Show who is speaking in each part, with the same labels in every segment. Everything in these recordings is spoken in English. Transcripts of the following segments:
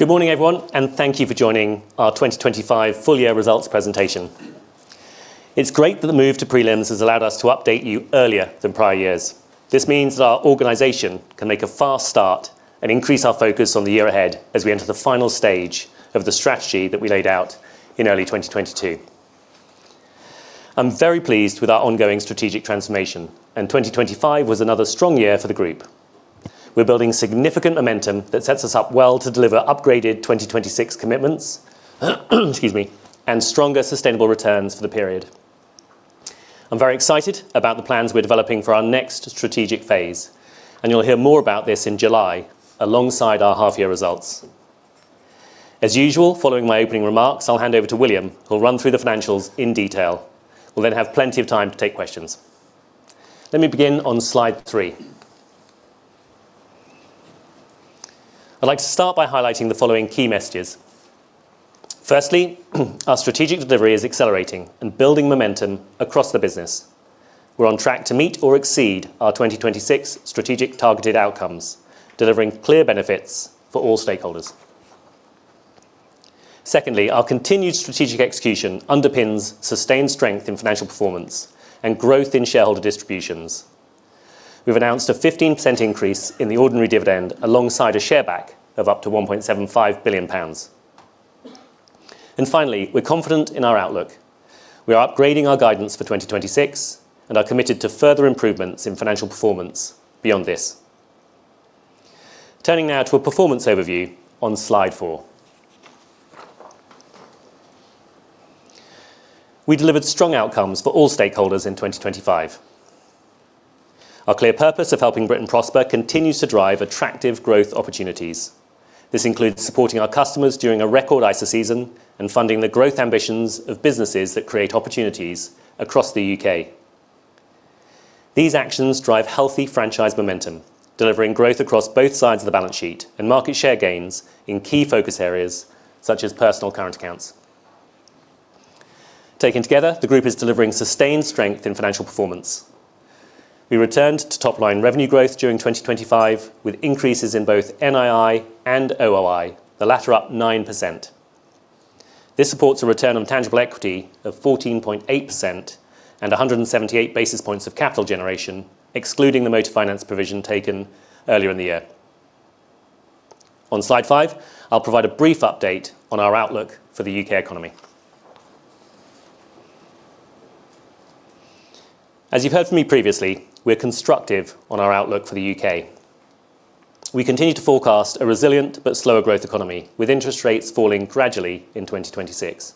Speaker 1: Good morning, everyone, and thank you for joining our 2025 full year results presentation. It's great that the move to prelims has allowed us to update you earlier than prior years. This means that our organization can make a fast start and increase our focus on the year ahead as we enter the final stage of the strategy that we laid out in early 2022. I'm very pleased with our ongoing strategic transformation, and 2025 was another strong year for the Group. We're building significant momentum that sets us up well to deliver upgraded 2026 commitments, excuse me, and stronger sustainable returns for the period. I'm very excited about the plans we're developing for our next strategic phase, and you'll hear more about this in July alongside our half-year results. As usual, following my opening remarks, I'll hand over to William, who'll run through the financials in detail. We'll then have plenty of time to take questions. Let me begin on slide three. I'd like to start by highlighting the following key messages. Firstly, our strategic delivery is accelerating and building momentum across the business. We're on track to meet or exceed our 2026 strategic targeted outcomes, delivering clear benefits for all stakeholders. Secondly, our continued strategic execution underpins sustained strength in financial performance and growth in shareholder distributions. We've announced a 15% increase in the ordinary dividend alongside a share buyback of up to 1.75 billion pounds. And finally, we're confident in our outlook. We are upgrading our guidance for 2026 and are committed to further improvements in financial performance beyond this. Turning now to a performance overview on slide four. We delivered strong outcomes for all stakeholders in 2025. Our clear purpose of helping Britain prosper continues to drive attractive growth opportunities. This includes supporting our customers during a record ISA season and funding the growth ambitions of businesses that create opportunities across the U.K. These actions drive healthy franchise momentum, delivering growth across both sides of the balance sheet and market share gains in key focus areas such as personal current accounts. Taken together, the Group is delivering sustained strength in financial performance. We returned to top-line revenue growth during 2025, with increases in both NII and OOI, the latter up 9%. This supports a return on tangible equity of 14.8% and 178 basis points of capital generation, excluding the motor finance provision taken earlier in the year. On Slide 5, I'll provide a brief update on our outlook for the U.K. economy. As you've heard from me previously, we're constructive on our outlook for the U.K. We continue to forecast a resilient but slower growth economy, with interest rates falling gradually in 2026.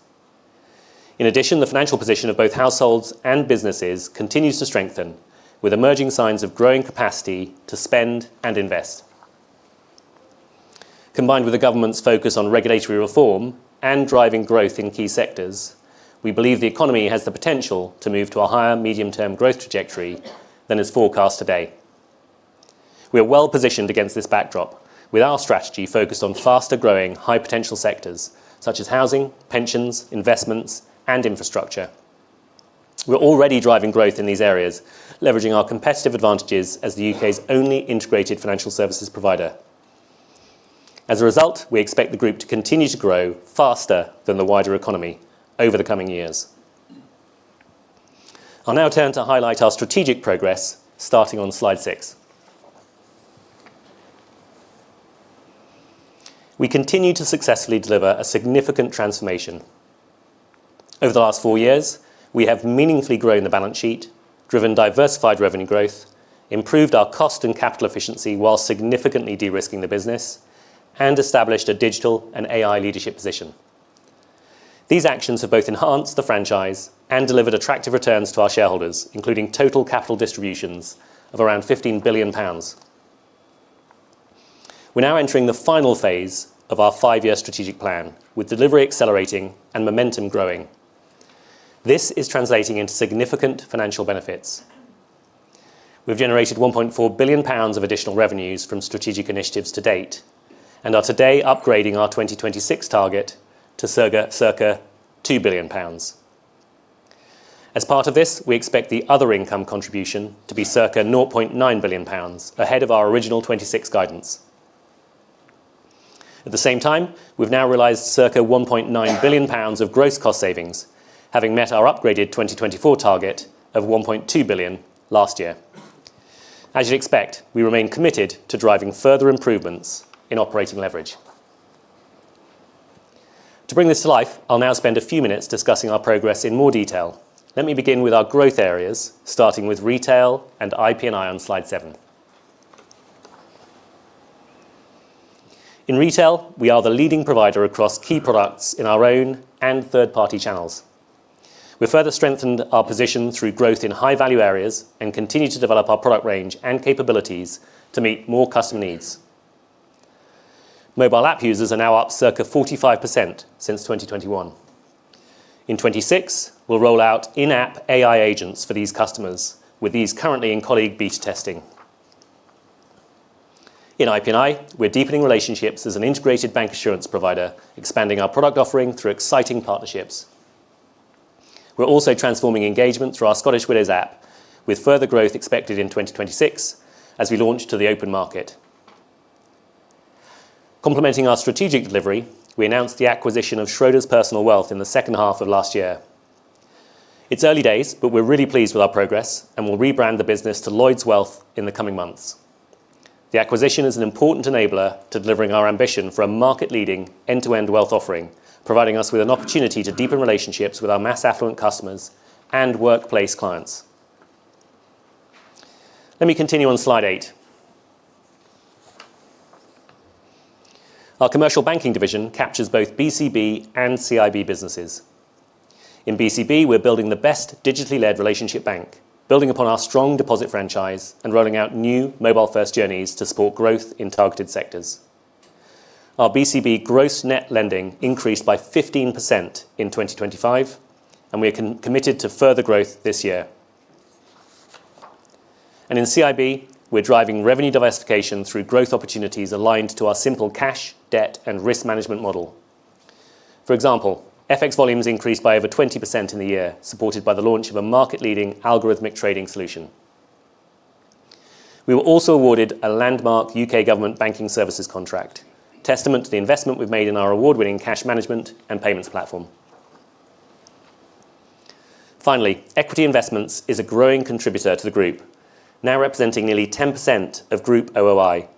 Speaker 1: In addition, the financial position of both households and businesses continues to strengthen, with emerging signs of growing capacity to spend and invest. Combined with the government's focus on regulatory reform and driving growth in key sectors, we believe the economy has the potential to move to a higher medium-term growth trajectory than is forecast today. We are well-positioned against this backdrop, with our strategy focused on faster-growing, high-potential sectors such as housing, pensions, investments, and infrastructure. We're already driving growth in these areas, leveraging our competitive advantages as the U.K.'s only integrated financial services provider. As a result, we expect the Group to continue to grow faster than the wider economy over the coming years. I'll now turn to highlight our strategic progress, starting on Slide 6. We continue to successfully deliver a significant transformation. Over the last 4 years, we have meaningfully grown the balance sheet, driven diversified revenue growth, improved our cost and capital efficiency, while significantly de-risking the business, and established a digital and AI leadership position. These actions have both enhanced the franchise and delivered attractive returns to our shareholders, including total capital distributions of around 15 billion pounds. We're now entering the final phase of our 5-year strategic plan, with delivery accelerating and momentum growing. This is translating into significant financial benefits. We've generated 1.4 billion pounds of additional revenues from strategic initiatives to date and are today upgrading our 2026 target to circa, circa 2 billion pounds. As part of this, we expect the other income contribution to be circa 0.9 billion pounds ahead of our original 2026 guidance. At the same time, we've now realized circa 1.9 billion pounds of gross cost savings, having met our upgraded 2024 target of 1.2 billion last year. As you'd expect, we remain committed to driving further improvements in operating leverage. To bring this to life, I'll now spend a few minutes discussing our progress in more detail. Let me begin with our growth areas, starting with Retail and IP&I on slide seven. In Retail, we are the leading provider across key products in our own and third-party channels. We've further strengthened our position through growth in high-value areas and continue to develop our product range and capabilities to meet more customer needs. Mobile app users are now up circa 45% since 2021. In 2026, we'll roll out in-app AI agents for these customers, with these currently in colleague beta testing. In IP&I, we're deepening relationships as an integrated bancassurance provider, expanding our product offering through exciting partnerships. We're also transforming engagement through our Scottish Widows app, with further growth expected in 2026 as we launch to the open market. Complementing our strategic delivery, we announced the acquisition of Schroders Personal Wealth in the second half of last year. It's early days, but we're really pleased with our progress, and we'll rebrand the business to Lloyds Wealth in the coming months. The acquisition is an important enabler to delivering our ambition for a market-leading, end-to-end wealth offering, providing us with an opportunity to deepen relationships with our mass affluent customers and workplace clients. Let me continue on slide eight. Our Commercial Banking division captures both BCB and CIB businesses. In BCB, we're building the best digitally-led relationship bank, building upon our strong deposit franchise and rolling out new mobile-first journeys to support growth in targeted sectors. Our BCB gross net lending increased by 15% in 2025, and we are committed to further growth this year. In CIB, we're driving revenue diversification through growth opportunities aligned to our simple cash, debt, and risk management model. For example, FX volumes increased by over 20% in the year, supported by the launch of a market-leading algorithmic trading solution. We were also awarded a landmark U.K. Government banking services contract, testament to the investment we've made in our award-winning cash management and payments platform. Finally, Equity Investments is a growing contributor to the Group, now representing nearly 10% of Group OOI.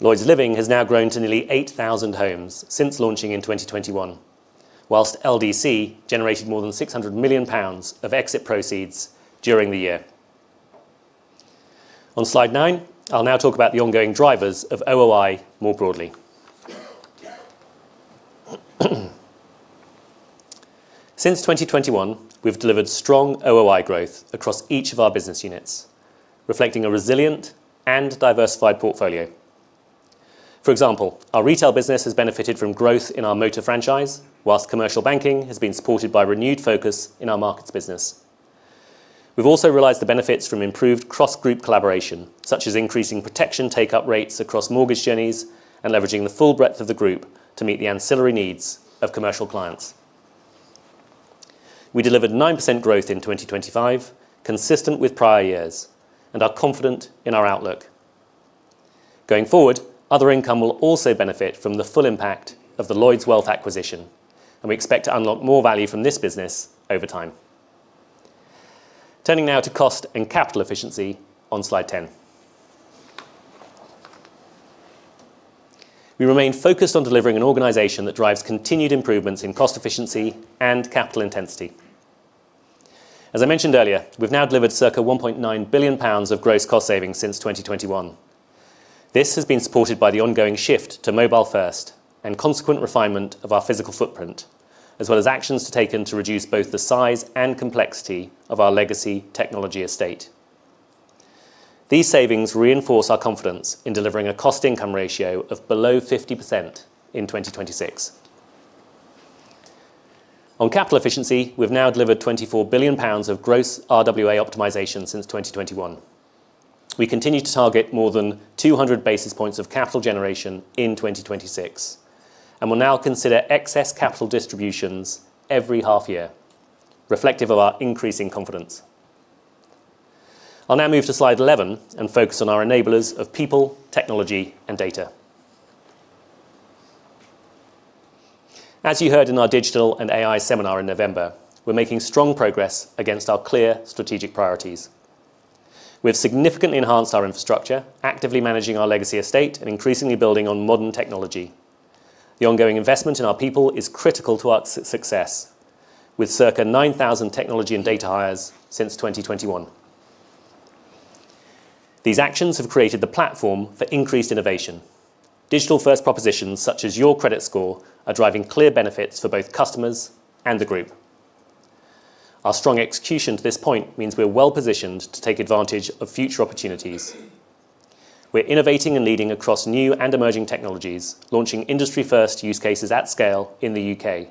Speaker 1: Lloyds Living has now grown to nearly 8,000 homes since launching in 2021, whilst LDC generated more than 600 million pounds of exit proceeds during the year. On slide nine, I'll now talk about the ongoing drivers of OOI more broadly. Since 2021, we've delivered strong OOI growth across each of our business units, reflecting a resilient and diversified portfolio. For example, our retail business has benefited from growth in our motor franchise, whilst Commercial Banking has been supported by renewed focus in our markets business. We've also realized the benefits from improved cross-Group collaboration, such as increasing protection take-up rates across mortgage journeys and leveraging the full breadth of the Group to meet the ancillary needs of commercial clients. We delivered 9% growth in 2025, consistent with prior years and are confident in our outlook. Going forward, other income will also benefit from the full impact of the Lloyds Wealth acquisition, and we expect to unlock more value from this business over time. Turning now to cost and capital efficiency on slide 10. We remain focused on delivering an organization that drives continued improvements in cost efficiency and capital intensity. As I mentioned earlier, we've now delivered circa 1.9 billion pounds of gross cost savings since 2021. This has been supported by the ongoing shift to mobile first and consequent refinement of our physical footprint, as well as actions taken to reduce both the size and complexity of our legacy technology estate. These savings reinforce our confidence in delivering a cost-income ratio of below 50% in 2026. On capital efficiency, we've now delivered 24 billion pounds of gross RWA optimization since 2021. We continue to target more than 200 basis points of capital generation in 2026, and will now consider excess capital distributions every half year, reflective of our increasing confidence. I'll now move to slide 11 and focus on our enablers of people, technology, and data. As you heard in our digital and AI seminar in November, we're making strong progress against our clear strategic priorities. We've significantly enhanced our infrastructure, actively managing our legacy estate, and increasingly building on modern technology. The ongoing investment in our people is critical to our success, with circa 9,000 technology and data hires since 2021. These actions have created the platform for increased innovation. Digital-first propositions, such as Your Credit Score, are driving clear benefits for both customers and the Group. Our strong execution to this point means we're well-positioned to take advantage of future opportunities. We're innovating and leading across new and emerging technologies, launching industry-first use cases at scale in the U.K.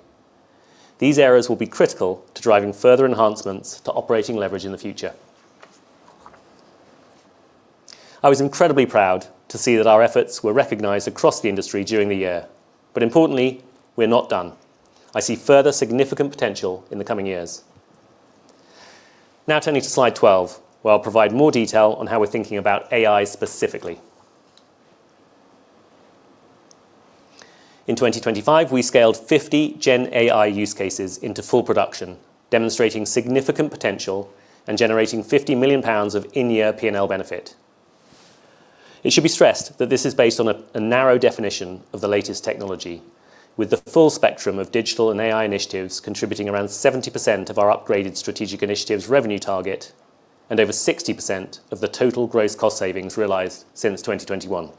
Speaker 1: These areas will be critical to driving further enhancements to operating leverage in the future. I was incredibly proud to see that our efforts were recognized across the industry during the year, but importantly, we're not done. I see further significant potential in the coming years. Now, turning to slide 12, where I'll provide more detail on how we're thinking about AI specifically. In 2025, we scaled 50 GenAI use cases into full production, demonstrating significant potential and generating 50 million pounds of in-year P&L benefit. It should be stressed that this is based on a narrow definition of the latest technology, with the full spectrum of digital and AI initiatives contributing around 70% of our upgraded strategic initiatives revenue target and over 60% of the total gross cost savings realized since 2021.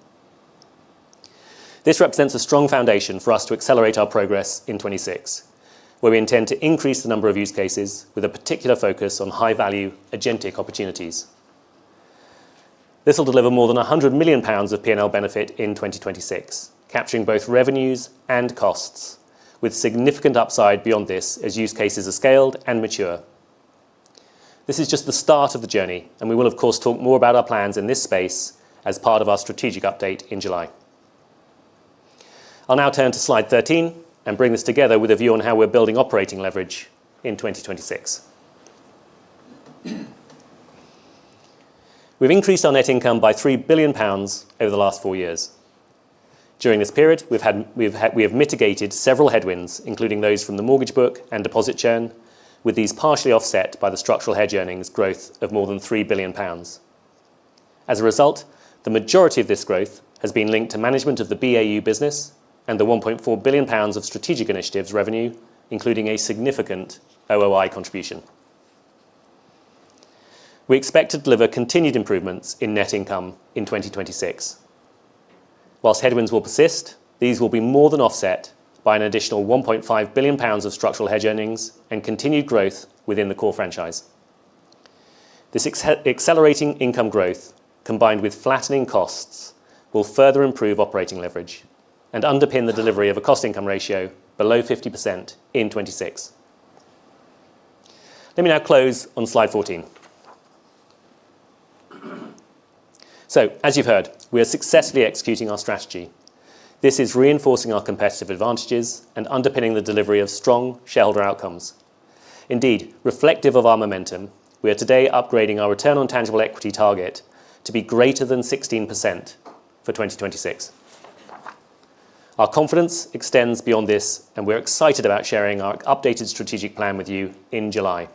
Speaker 1: This represents a strong foundation for us to accelerate our progress in 2026, where we intend to increase the number of use cases with a particular focus on high-value agentic opportunities. This will deliver more than 100 million pounds of P&L benefit in 2026, capturing both revenues and costs, with significant upside beyond this as use cases are scaled and mature. This is just the start of the journey, and we will, of course, talk more about our plans in this space as part of our strategic update in July. I'll now turn to slide 13 and bring this together with a view on how we're building operating leverage in 2026. We've increased our net income by 3 billion pounds over the last 4 years. During this period, we have mitigated several headwinds, including those from the mortgage book and deposit churn, with these partially offset by the structural hedge earnings growth of more than 3 billion pounds. As a result, the majority of this growth has been linked to management of the BAU business and the 1.4 billion pounds of strategic initiatives revenue, including a significant OOI contribution. We expect to deliver continued improvements in net income in 2026. Whilst headwinds will persist, these will be more than offset by an additional 1.5 billion pounds of structural hedge earnings and continued growth within the core franchise. This accelerating income growth, combined with flattening costs, will further improve operating leverage and underpin the delivery of a cost-income ratio below 50% in 2026. Let me now close on slide 14. So, as you've heard, we are successfully executing our strategy. This is reinforcing our competitive advantages and underpinning the delivery of strong shareholder outcomes. Indeed, reflective of our momentum, we are today upgrading our return on tangible equity target to be greater than 16% for 2026. Our confidence extends beyond this, and we're excited about sharing our updated strategic plan with you in July.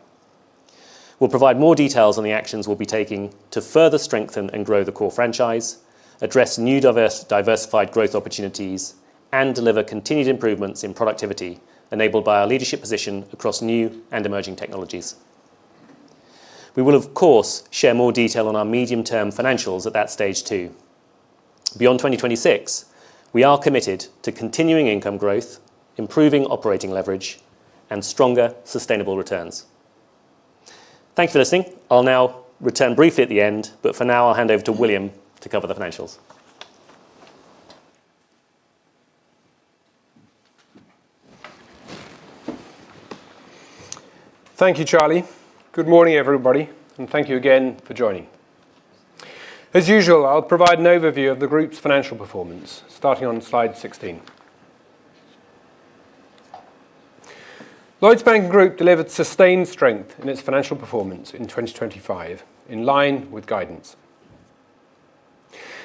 Speaker 1: We'll provide more details on the actions we'll be taking to further strengthen and grow the core franchise, address new diversified growth opportunities, and deliver continued improvements in productivity, enabled by our leadership position across new and emerging technologies. We will, of course, share more detail on our medium-term financials at that stage, too. Beyond 2026, we are committed to continuing income growth, improving operating leverage, and stronger, sustainable returns. Thank you for listening. I'll now return briefly at the end, but for now, I'll hand over to William to cover the financials.
Speaker 2: Thank you, Charlie. Good morning, everybody, and thank you again for joining. As usual, I'll provide an overview of the Group's financial performance, starting on slide 16. Lloyds Banking Group delivered sustained strength in its financial performance in 2025, in line with guidance.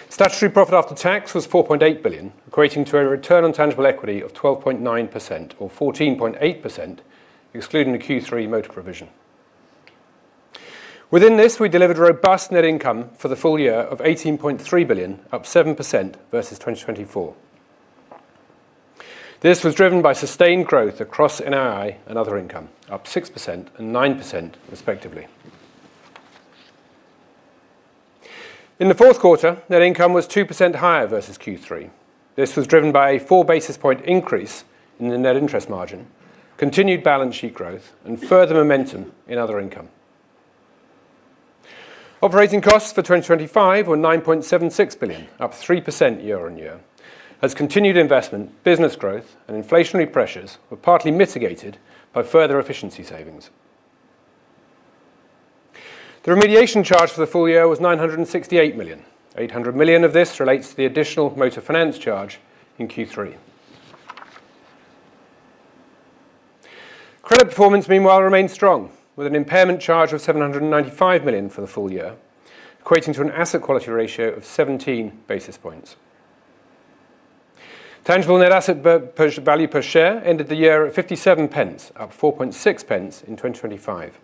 Speaker 2: Statutory profit after tax was 4.8 billion, equating to a return on tangible equity of 12.9% or 14.8%, excluding the Q3 motor provision. Within this, we delivered robust net income for the full year of 18.3 billion, up 7% versus 2024. This was driven by sustained growth across NII and other income, up 6% and 9%, respectively. In the fourth quarter, net income was 2% higher versus Q3. This was driven by a 4 basis points increase in the net interest margin, continued balance sheet growth, and further momentum in other income. Operating costs for 2025 were 9.76 billion, up 3% year-on-year, as continued investment, business growth, and inflationary pressures were partly mitigated by further efficiency savings. The remediation charge for the full year was 968 million. 800 million of this relates to the additional motor finance charge in Q3. Credit performance, meanwhile, remained strong, with an impairment charge of 795 million for the full year, equating to an asset quality ratio of 17 basis points. Tangible net asset value per share ended the year at 0.57, up 0.046 in 2025.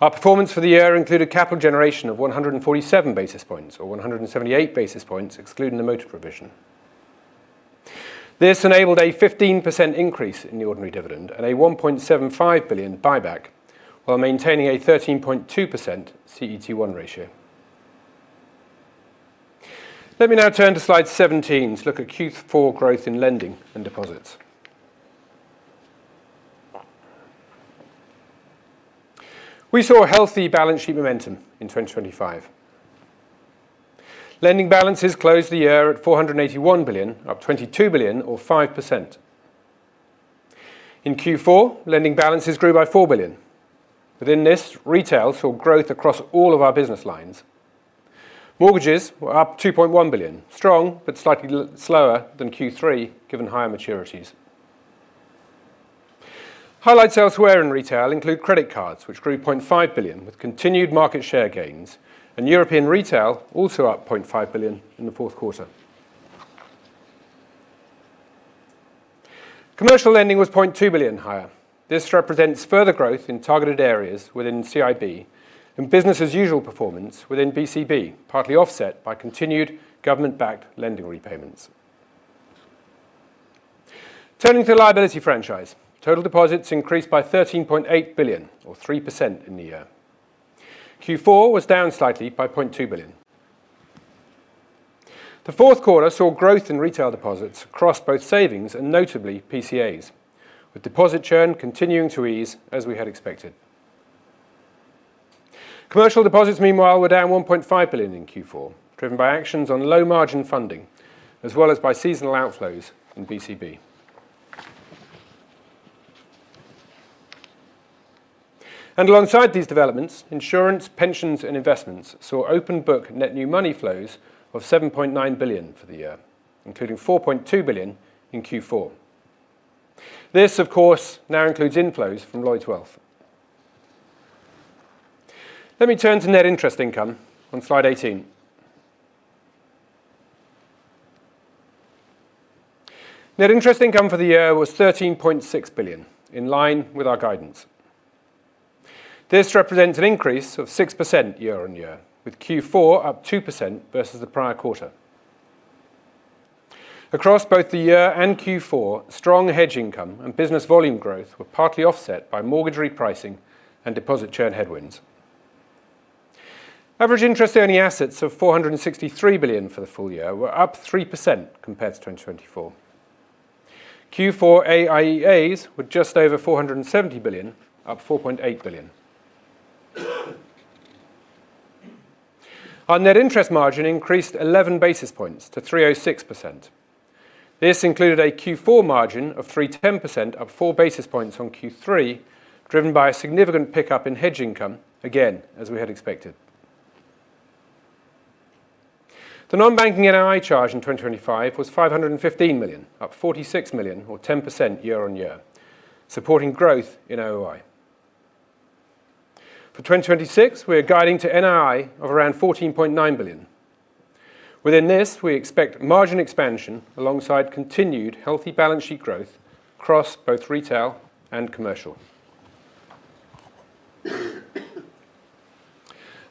Speaker 2: Our performance for the year included capital generation of 147 basis points or 178 basis points, excluding the motor provision. This enabled a 15% increase in the ordinary dividend and a 1.75 billion buyback while maintaining a 13.2% CET1 ratio. Let me now turn to slide 17 to look at Q4 growth in lending and deposits. We saw a healthy balance sheet momentum in 2025. Lending balances closed the year at 481 billion, up 22 billion or 5%. In Q4, lending balances grew by 4 billion. Within this, retail saw growth across all of our business lines. Mortgages were up 2.1 billion, strong but slightly slower than Q3, given higher maturities. Highlights elsewhere in retail include credit cards, which grew 0.5 billion, with continued market share gains, and European Retail also up 0.5 billion in the fourth quarter. Commercial lending was 0.2 billion higher. This represents further growth in targeted areas within CIB and business as usual performance within BCB, partly offset by continued government-backed lending repayments. Turning to the liability franchise, total deposits increased by 13.8 billion or 3% in the year. Q4 was down slightly by 0.2 billion. The fourth quarter saw growth in retail deposits across both savings and notably PCAs, with deposit churn continuing to ease as we had expected. Commercial deposits, meanwhile, were down 1.5 billion in Q4, driven by actions on low-margin funding, as well as by seasonal outflows in BCB. Alongside these developments, Insurance, Pensions, and Investments saw open book net new money flows of 7.9 billion for the year, including 4.2 billion in Q4. This, of course, now includes inflows from Lloyds Wealth. Let me turn to net interest income on slide 18. Net interest income for the year was 13.6 billion, in line with our guidance. This represents an increase of 6% year-on-year, with Q4 up 2% versus the prior quarter. Across both the year and Q4, strong hedge income and business volume growth were partly offset by mortgage repricing and deposit churn headwinds. Average interest-earning assets of 463 billion for the full year were up 3% compared to 2024. Q4 AIEAs were just over 470 billion, up 4.8 billion. Our net interest margin increased 11 basis points to 3.06%. This included a Q4 margin of 3.10%, up 4 basis points from Q3, driven by a significant pickup in hedge income, again, as we had expected. The non-banking NII charge in 2025 was 515 million, up 46 million or 10% year-on-year, supporting growth in OOI. For 2026, we are guiding to NII of around 14.9 billion. Within this, we expect margin expansion alongside continued healthy balance sheet growth across both retail and commercial.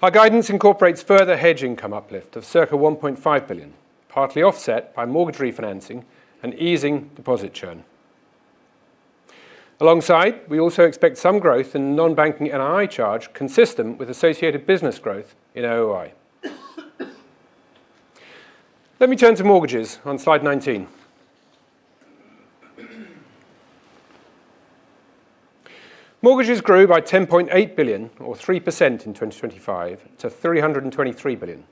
Speaker 2: Our guidance incorporates further hedge income uplift of circa 1.5 billion, partly offset by mortgage refinancing and easing deposit churn. Alongside, we also expect some growth in non-banking NII charge, consistent with associated business growth in OOI. Let me turn to mortgages on slide 19. Mortgages grew by 10.8 billion or 3% in 2025 to 323 billion,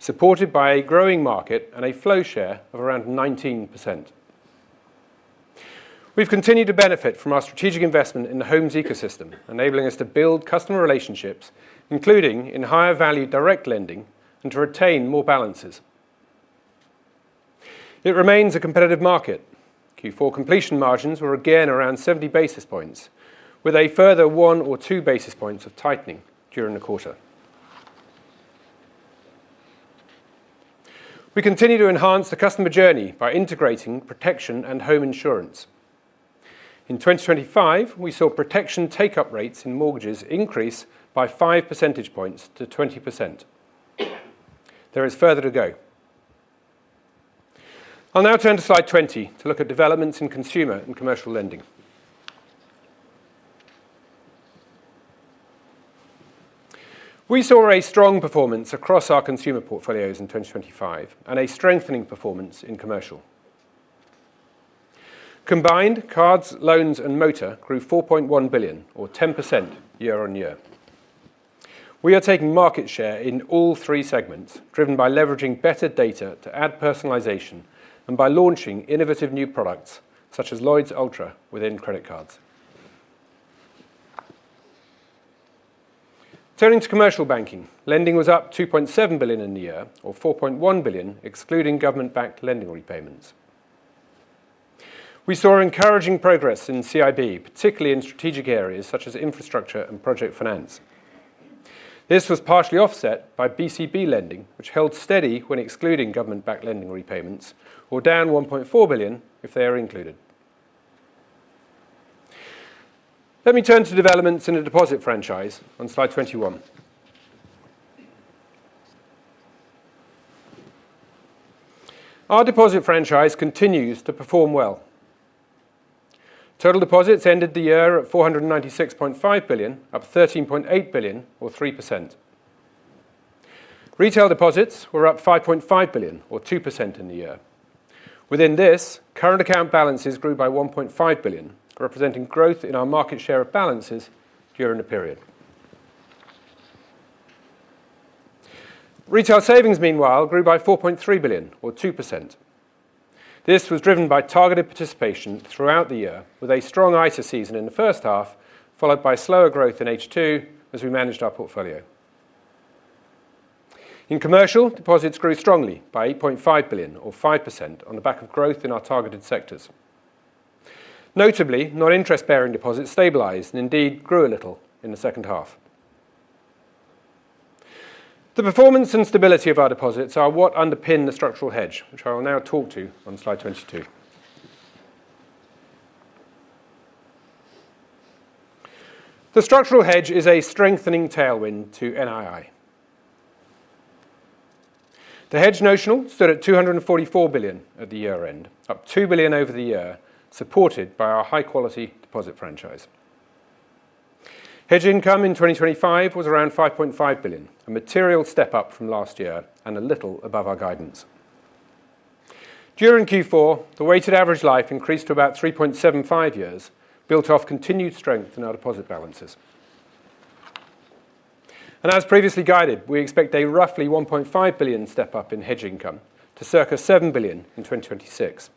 Speaker 2: supported by a growing market and a flow share of around 19%. We've continued to benefit from our strategic investment in the homes ecosystem, enabling us to build customer relationships, including in higher value direct lending, and to retain more balances. It remains a competitive market. Q4 completion margins were again around 70 basis points, with a further 1 or 2 basis points of tightening during the quarter. We continue to enhance the customer journey by integrating protection and home insurance. In 2025, we saw protection take-up rates in mortgages increase by 5 percentage points to 20%. There is further to go. I'll now turn to slide 20 to look at developments in consumer and commercial lending. We saw a strong performance across our consumer portfolios in 2025 and a strengthening performance in commercial. Combined, cards, loans, and motor grew 4.1 billion or 10% year-on-year. We are taking market share in all three segments, driven by leveraging better data to add personalization and by launching innovative new products such as Lloyds Ultra within credit cards. Turning to Commercial Banking, lending was up 2.7 billion in the year or 4.1 billion, excluding government-backed lending repayments. We saw encouraging progress in CIB, particularly in strategic areas such as infrastructure and project finance. This was partially offset by BCB lending, which held steady when excluding government-backed lending repayments or down 1.4 billion if they are included. Let me turn to developments in the deposit franchise on slide 21. Our deposit franchise continues to perform well. Total deposits ended the year at 496.5 billion, up 13.8 billion or 3%. Retail deposits were up 5.5 billion or 2% in the year. Within this, current account balances grew by 1.5 billion, representing growth in our market share of balances during the period. Retail savings, meanwhile, grew by 4.3 billion or 2%. This was driven by targeted participation throughout the year, with a strong ISA season in the first half, followed by slower growth in H2 as we managed our portfolio. In commercial, deposits grew strongly by 8.5 billion or 5% on the back of growth in our targeted sectors. Notably, non-interest-bearing deposits stabilized and indeed grew a little in the second half. The performance and stability of our deposits are what underpin the structural hedge, which I will now talk to on slide 22. The structural hedge is a strengthening tailwind to NII. The hedge notional stood at 244 billion at the year-end, up 2 billion over the year, supported by our high-quality deposit franchise. Hedge income in 2025 was around 5.5 billion, a material step up from last year and a little above our guidance. During Q4, the weighted average life increased to about 3.75 years, built off continued strength in our deposit balances. And as previously guided, we expect a roughly 1.5 billion step up in hedge income to circa 7 billion in 2026.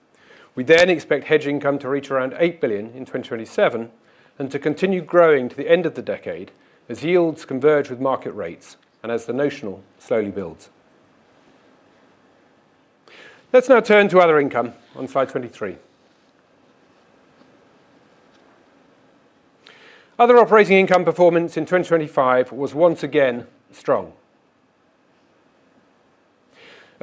Speaker 2: We then expect hedge income to reach around 8 billion in 2027, and to continue growing to the end of the decade as yields converge with market rates and as the notional slowly builds. Let's now turn to other income on slide 23. Other operating income performance in 2025 was once again strong.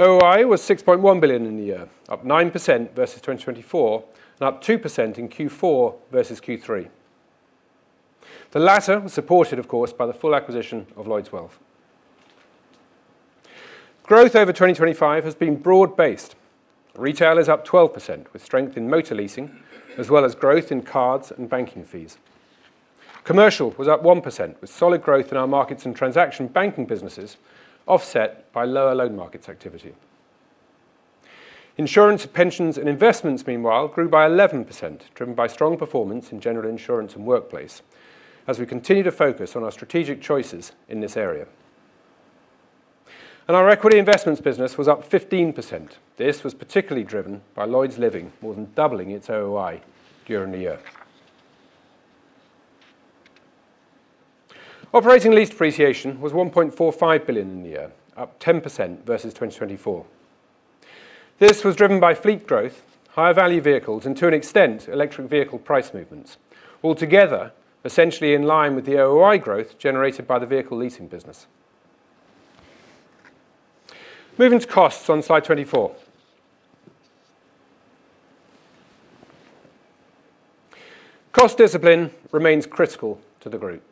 Speaker 2: OOI was 6.1 billion in the year, up 9% versus 2024, and up 2% in Q4 versus Q3. The latter was supported, of course, by the full acquisition of Lloyds Wealth. Growth over 2025 has been broad-based. Retail is up 12%, with strength in motor leasing, as well as growth in cards and banking fees. Commercial was up 1%, with solid growth in our markets and transaction banking businesses, offset by lower loan markets activity. Insurance, Pensions, and Investments, meanwhile, grew by 11%, driven by strong performance in general insurance and workplace as we continue to focus on our strategic choices in this area. Our Equity Investments business was up 15%. This was particularly driven by Lloyds Living, more than doubling its OOI during the year. Operating lease depreciation was 1.45 billion in the year, up 10% versus 2024. This was driven by fleet growth, higher value vehicles, and to an extent, electric vehicle price movements, altogether essentially in line with the OOI growth generated by the vehicle leasing business. Moving to costs on slide 24. Cost discipline remains critical to the Group.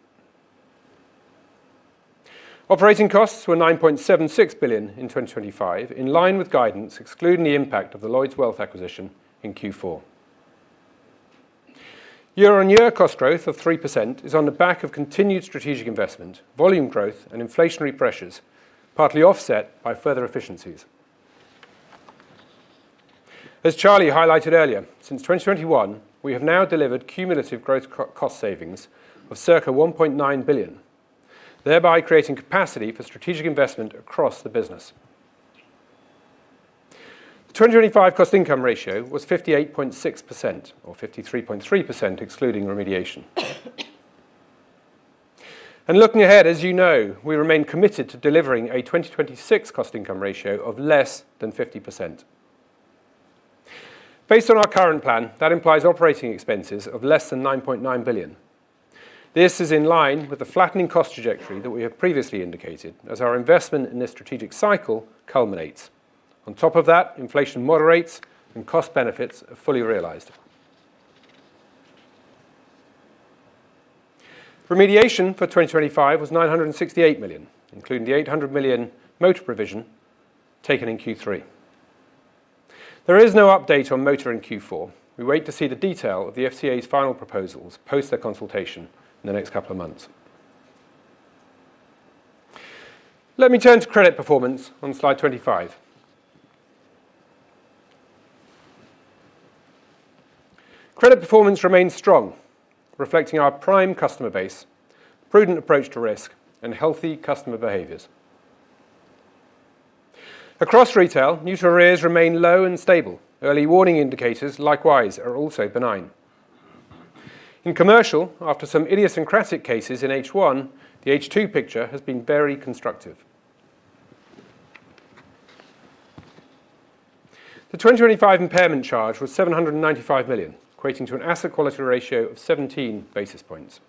Speaker 2: Operating costs were 9.76 billion in 2025, in line with guidance, excluding the impact of the Lloyds Wealth acquisition in Q4. Year-on-year cost growth of 3% is on the back of continued strategic investment, volume growth, and inflationary pressures, partly offset by further efficiencies. As Charlie highlighted earlier, since 2021, we have now delivered cumulative cost savings of circa 1.9 billion, thereby creating capacity for strategic investment across the business. The 2025 cost-income ratio was 58.6%, or 53.3%, excluding remediation. Looking ahead, as you know, we remain committed to delivering a 2026 cost-income ratio of less than 50%. Based on our current plan, that implies operating expenses of less than 9.9 billion. This is in line with the flattening cost trajectory that we have previously indicated as our investment in this strategic cycle culminates. On top of that, inflation moderates and cost benefits are fully realized. Remediation for 2025 was 968 million, including the 800 million motor provision taken in Q3. There is no update on motor in Q4. We wait to see the detail of the FCA's final proposals post their consultation in the next couple of months. Let me turn to credit performance on slide 25. Credit performance remains strong, reflecting our prime customer base, prudent approach to risk, and healthy customer behaviors. Across retail, new to arrears remain low and stable. Early warning indicators, likewise, are also benign. In commercial, after some idiosyncratic cases in H1, the H2 picture has been very constructive. The 2025 impairment charge was 795 million, equating to an asset quality ratio of 17 basis points.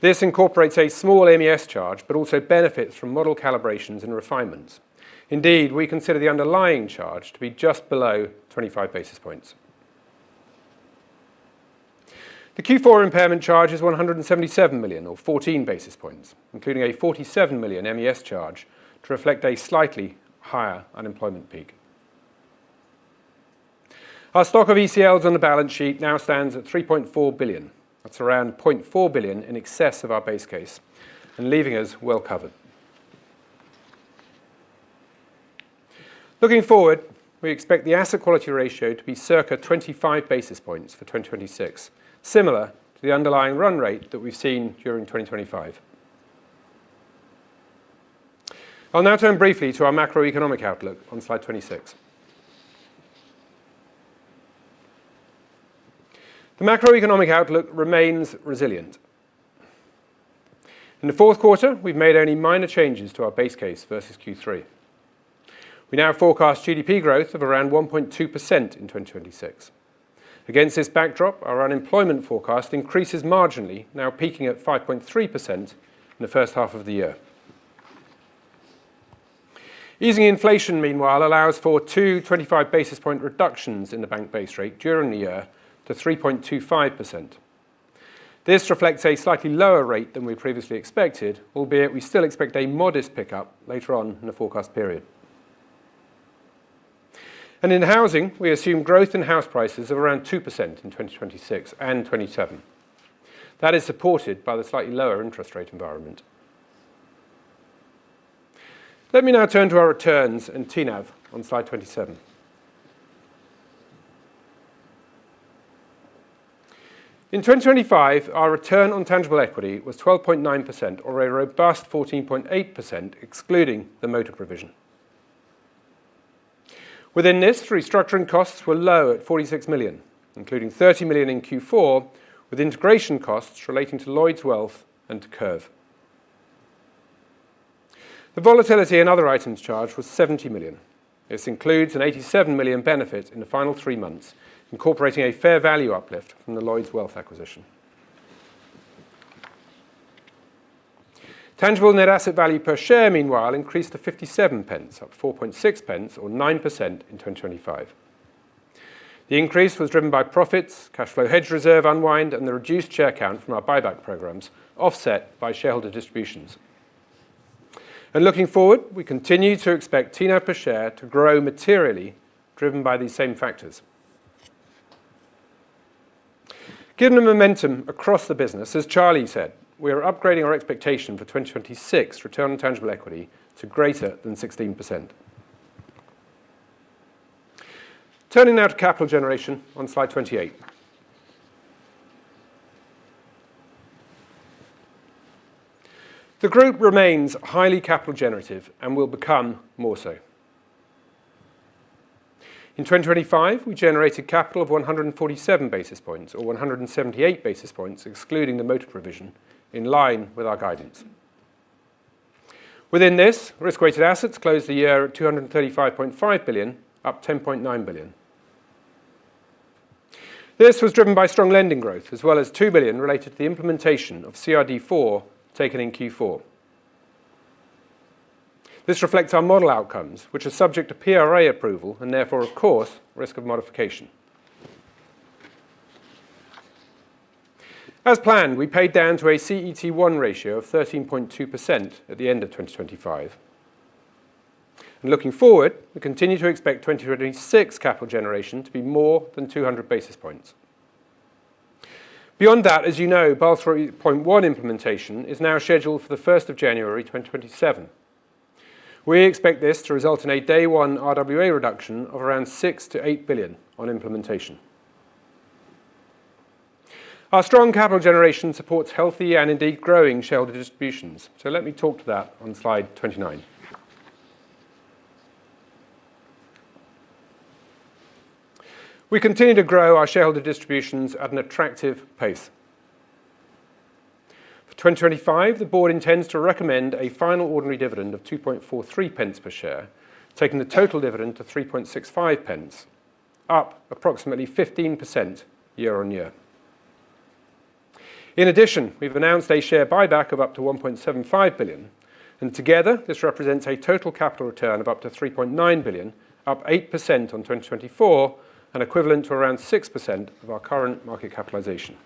Speaker 2: This incorporates a small MES charge, but also benefits from model calibrations and refinements. Indeed, we consider the underlying charge to be just below 25 basis points. The Q4 impairment charge is 177 million, or 14 basis points, including a 47 million MES charge to reflect a slightly higher unemployment peak. Our stock of ECLs on the balance sheet now stands at 3.4 billion. That's around 0.4 billion in excess of our base case and leaving us well covered. Looking forward, we expect the asset quality ratio to be circa 25 basis points for 2026, similar to the underlying run rate that we've seen during 2025. I'll now turn briefly to our macroeconomic outlook on slide 26. The macroeconomic outlook remains resilient. In the fourth quarter, we've made only minor changes to our base case versus Q3. We now forecast GDP growth of around 1.2% in 2026. Against this backdrop, our unemployment forecast increases marginally, now peaking at 5.3% in the first half of the year. Easing inflation, meanwhile, allows for 225 basis point reductions in the bank base rate during the year to 3.25%. This reflects a slightly lower rate than we previously expected, albeit we still expect a modest pickup later on in the forecast period. And in housing, we assume growth in house prices of around 2% in 2026 and 2027. That is supported by the slightly lower interest rate environment. Let me now turn to our returns and TNAV on slide 27. In 2025, our return on tangible equity was 12.9% or a robust 14.8%, excluding the motor provision. Within this, restructuring costs were low at 46 million, including 30 million in Q4, with integration costs relating to Lloyds Wealth and to Curve. The volatility and other items charged was 70 million. This includes an 87 million benefit in the final three months, incorporating a fair value uplift from the Lloyds Wealth acquisition. Tangible net asset value per share, meanwhile, increased to 0.57, up 0.046 or 9% in 2025. The increase was driven by profits, cash flow hedge reserve unwind, and the reduced share count from our buyback programs, offset by shareholder distributions. Looking forward, we continue to expect TNAV per share to grow materially, driven by these same factors. Given the momentum across the business, as Charlie said, we are upgrading our expectation for 2026 return on tangible equity to greater than 16%. Turning now to capital generation on slide 28. The Group remains highly capital generative and will become more so. In 2025, we generated capital of 147 basis points or 178 basis points, excluding the motor provision, in line with our guidance. Within this, risk-weighted assets closed the year at 235.5 billion, up 10.9 billion. This was driven by strong lending growth, as well as 2 billion related to the implementation of CRD IV, taken in Q4. This reflects our model outcomes, which are subject to PRA approval and therefore, of course, risk of modification. As planned, we paid down to a CET1 ratio of 13.2% at the end of 2025. Looking forward, we continue to expect 2026 capital generation to be more than 200 basis points. Beyond that, as you know, Basel 3.1 implementation is now scheduled for January 1, 2027. We expect this to result in a day one RWA reduction of around 6 billion-8 billion on implementation. Our strong capital generation supports healthy and indeed growing shareholder distributions. So let me talk to that on slide 29. We continue to grow our shareholder distributions at an attractive pace. For 2025, the Board intends to recommend a final ordinary dividend of 0.024 per share, taking the total dividend to 0.0365, up approximately 15% year-on-year. In addition, we've announced a share buyback of up to 1.75 billion, and together, this represents a total capital return of up to 3.9 billion, up 8% on 2024 and equivalent to around 6% of our current market capitalization.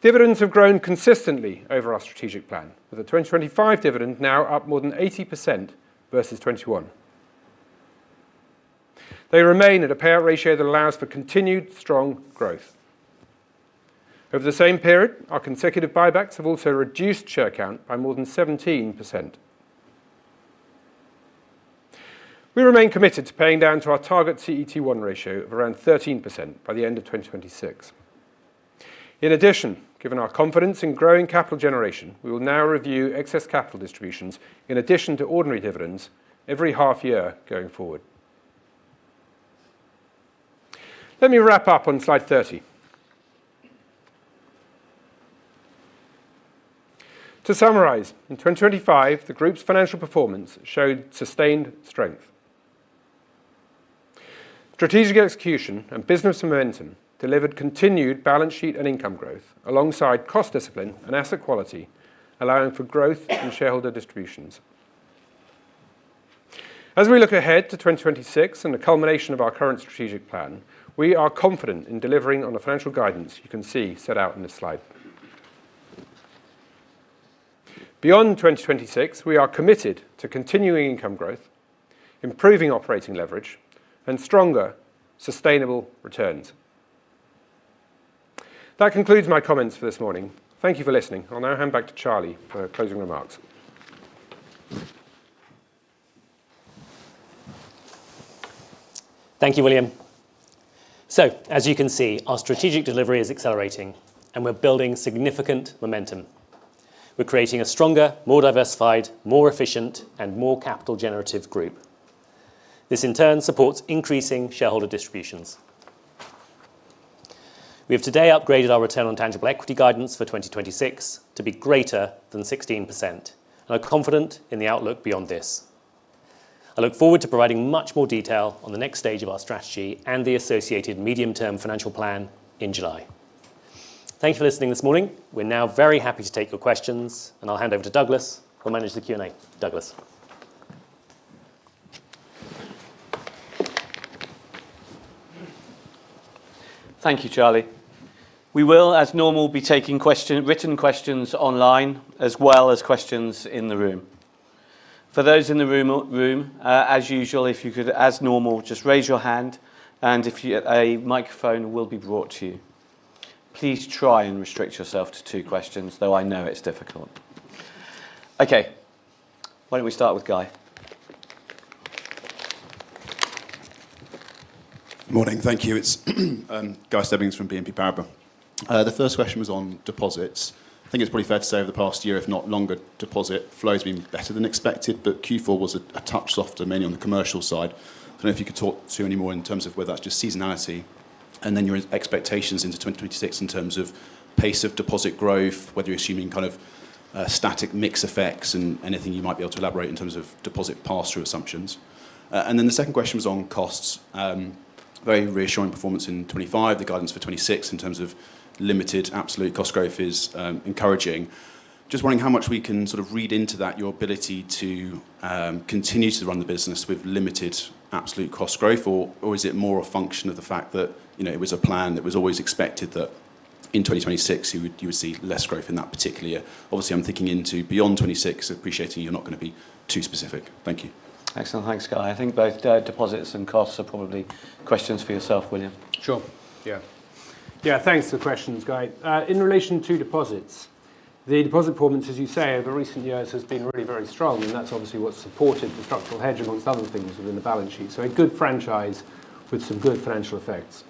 Speaker 2: Dividends have grown consistently over our strategic plan, with the 2025 dividend now up more than 80% versus 2021. They remain at a payout ratio that allows for continued strong growth. Over the same period, our consecutive buybacks have also reduced share count by more than 17%. We remain committed to paying down to our target CET1 ratio of around 13% by the end of 2026. In addition, given our confidence in growing capital generation, we will now review excess capital distributions in addition to ordinary dividends every half year going forward. Let me wrap up on slide 30. To summarize, in 2025, the Group's financial performance showed sustained strength. Strategic execution and business momentum delivered continued balance sheet and income growth, alongside cost discipline and asset quality, allowing for growth in shareholder distributions. As we look ahead to 2026 and the culmination of our current strategic plan, we are confident in delivering on the financial guidance you can see set out in this slide. Beyond 2026, we are committed to continuing income growth, improving operating leverage, and stronger, sustainable returns. That concludes my comments for this morning. Thank you for listening. I'll now hand back to Charlie for closing remarks.
Speaker 1: Thank you, William. As you can see, our strategic delivery is accelerating, and we're building significant momentum. We're creating a stronger, more diversified, more efficient, and more capital generative Group. This, in turn, supports increasing shareholder distributions. We have today upgraded our return on tangible equity guidance for 2026 to be greater than 16% and are confident in the outlook beyond this. I look forward to providing much more detail on the next stage of our strategy and the associated medium-term financial plan in July. Thank you for listening this morning. We're now very happy to take your questions, and I'll hand over to Douglas, who will manage the Q&A. Douglas?
Speaker 3: Thank you, Charlie. We will, as normal, be taking written questions online, as well as questions in the room. For those in the room, as usual, if you could, as normal, just raise your hand, and a microphone will be brought to you. Please try and restrict yourself to two questions, though I know it's difficult. Okay, why don't we start with Guy?
Speaker 4: Morning. Thank you. It's Guy Stebbings from BNP Paribas. The first question was on deposits. I think it's pretty fair to say over the past year, if not longer, deposit flow has been better than expected, but Q4 was a touch softer, mainly on the commercial side. I don't know if you could talk to any more in terms of whether that's just seasonality, and then your expectations into 2026 in terms of pace of deposit growth, whether you're assuming kind of static mix effects and anything you might be able to elaborate in terms of deposit pass-through assumptions. And then the second question was on costs. Very reassuring performance in 2025. The guidance for 2026 in terms of limited absolute cost growth is encouraging. Just wondering how much we can sort of read into that, your ability to continue to run the business with limited absolute cost growth, or is it more a function of the fact that, you know, it was a plan that was always expected that in 2026, you would see less growth in that particular year? Obviously, I'm thinking into beyond 2026, appreciating you're not going to be too specific. Thank you.
Speaker 3: Excellent. Thanks, Guy. I think both, deposits and costs are probably questions for yourself, William.
Speaker 2: Sure. Yeah. Yeah, thanks for the questions, Guy. In relation to deposits, the deposit performance, as you say, over recent years, has been really very strong, and that's obviously what supported the structural hedge amongst other things within the balance sheet. So a good franchise with some good financial effects.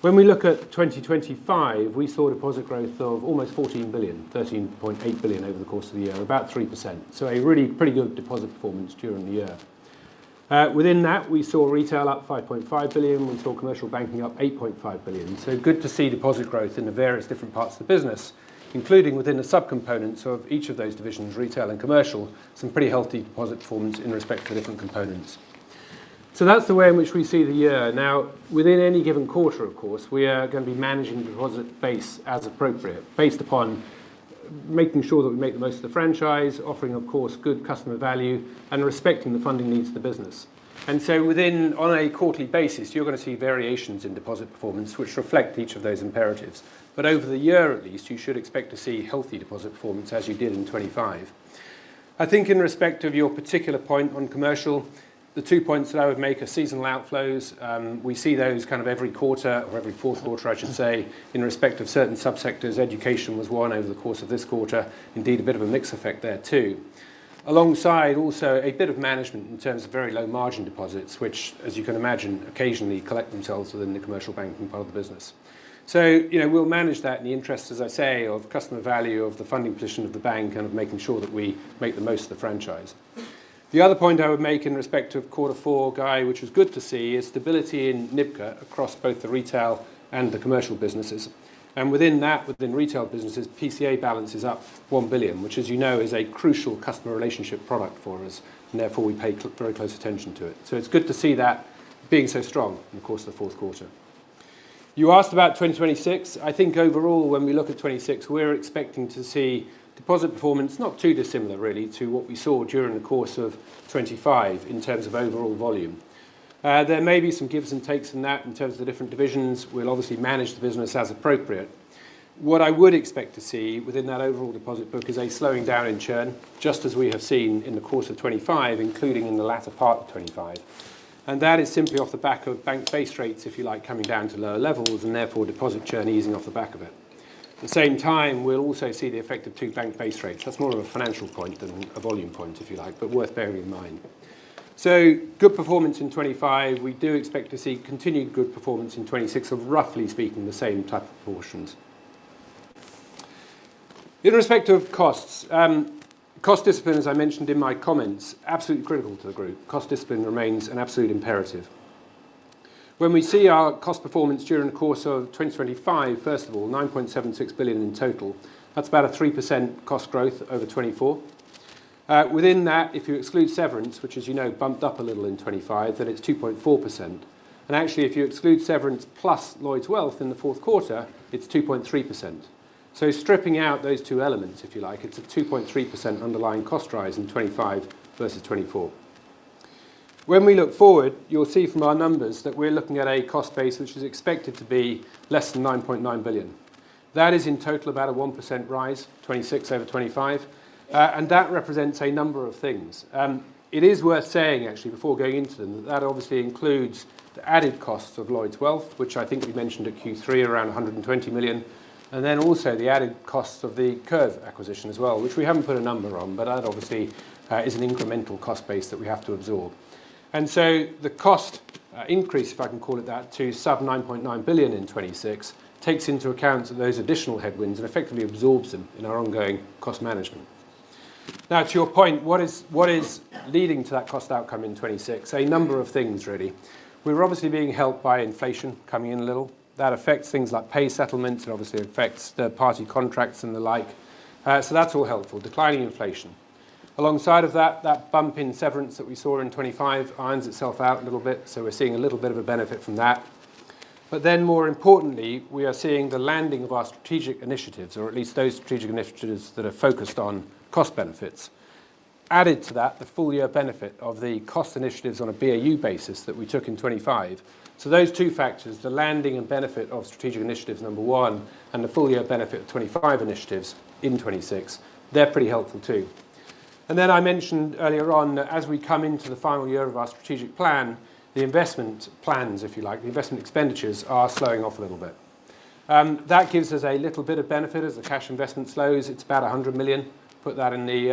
Speaker 2: When we look at 2025, we saw deposit growth of almost 14 billion, 13.8 billion over the course of the year, about 3%. So a really pretty good deposit performance during the year. Within that, we saw retail up 5.5 billion. We saw Commercial Banking up 8.5 billion. So good to see deposit growth in the various different parts of the business, including within the subcomponents of each of those divisions, retail and commercial, some pretty healthy deposit forms in respect to the different components. So that's the way in which we see the year. Now, within any given quarter, of course, we are going to be managing the deposit base as appropriate, based upon making sure that we make the most of the franchise, offering, of course, good customer value, and respecting the funding needs of the business. And so within, on a quarterly basis, you're going to see variations in deposit performance, which reflect each of those imperatives. But over the year, at least, you should expect to see healthy deposit performance as you did in 2025. I think in respect of your particular point on commercial, the two points that I would make are seasonal outflows. We see those kind of every quarter or every fourth quarter, I should say, in respect of certain subsectors. Education was one over the course of this quarter. Indeed, a bit of a mix effect there, too. Alongside also a bit of management in terms of very low-margin deposits, which, as you can imagine, occasionally collect themselves within the Commercial Banking part of the business. So, you know, we'll manage that in the interest, as I say, of customer value, of the funding position of the bank, and of making sure that we make the most of the franchise. The other point I would make in respect of Quarter Four, Guy, which was good to see, is stability in NIM across both the retail and the commercial businesses, and within that, within retail businesses, PCA balance is up 1 billion, which, as you know, is a crucial customer relationship product for us, and therefore, we pay very close attention to it. So it's good to see that being so strong in the course of the fourth quarter. You asked about 2026. I think overall, when we look at 2026, we're expecting to see deposit performance not too dissimilar, really, to what we saw during the course of 2025 in terms of overall volume. There may be some gives and takes in that in terms of the different divisions. We'll obviously manage the business as appropriate. What I would expect to see within that overall deposit book is a slowing down in churn, just as we have seen in the course of 2025, including in the latter part of 2025, and that is simply off the back of bank base rates, if you like, coming down to lower levels, and therefore, deposit churn easing off the back of it. At the same time, we'll also see the effect of two bank base rates. That's more of a financial point than a volume point, if you like, but worth bearing in mind. So good performance in 2025. We do expect to see continued good performance in 2026 of, roughly speaking, the same type of proportions. Irrespective of costs, cost discipline, as I mentioned in my comments, absolutely critical to the Group. Cost discipline remains an absolute imperative. When we see our cost performance during the course of 2025, first of all, 9.76 billion in total, that's about a 3% cost growth over 2024. Within that, if you exclude severance, which, as you know, bumped up a little in 2025, then it's 2.4%. Actually, if you exclude severance plus Lloyds Wealth in the fourth quarter, it's 2.3%. So stripping out those two elements, if you like, it's a 2.3% underlying cost rise in 2025 versus 2024. When we look forward, you'll see from our numbers that we're looking at a cost base, which is expected to be less than 9.9 billion. That is in total about a 1% rise, 2026 over 2025, and that represents a number of things. It is worth saying, actually, before going into them, that obviously includes the added costs of Lloyds Wealth, which I think we mentioned at Q3, around 120 million, and then also the added costs of the Curve acquisition as well, which we haven't put a number on, but that obviously is an incremental cost base that we have to absorb. And so the cost, increase, if I can call it that, to sub 9.9 billion in 2026, takes into account those additional headwinds and effectively absorbs them in our ongoing cost management. Now, to your point, what is, what is leading to that cost outcome in 2026? A number of things, really. We're obviously being helped by inflation coming in a little. That affects things like pay settlements, and obviously, it affects the party contracts and the like. So that's all helpful. Declining inflation. Alongside of that, that bump in severance that we saw in 2025 irons itself out a little bit, so we're seeing a little bit of a benefit from that. But then, more importantly, we are seeing the landing of our strategic initiatives, or at least those strategic initiatives that are focused on cost benefits. Added to that, the full year benefit of the cost initiatives on a BAU basis that we took in 2025. So those two factors, the landing and benefit of strategic initiatives, number one, and the full year benefit of 2025 initiatives in 2026, they're pretty helpful, too. And then I mentioned earlier on that as we come into the final year of our strategic plan, the investment plans, if you like, the investment expenditures are slowing off a little bit. That gives us a little bit of benefit as the cash investment slows. It's about 100 million. Put that in the,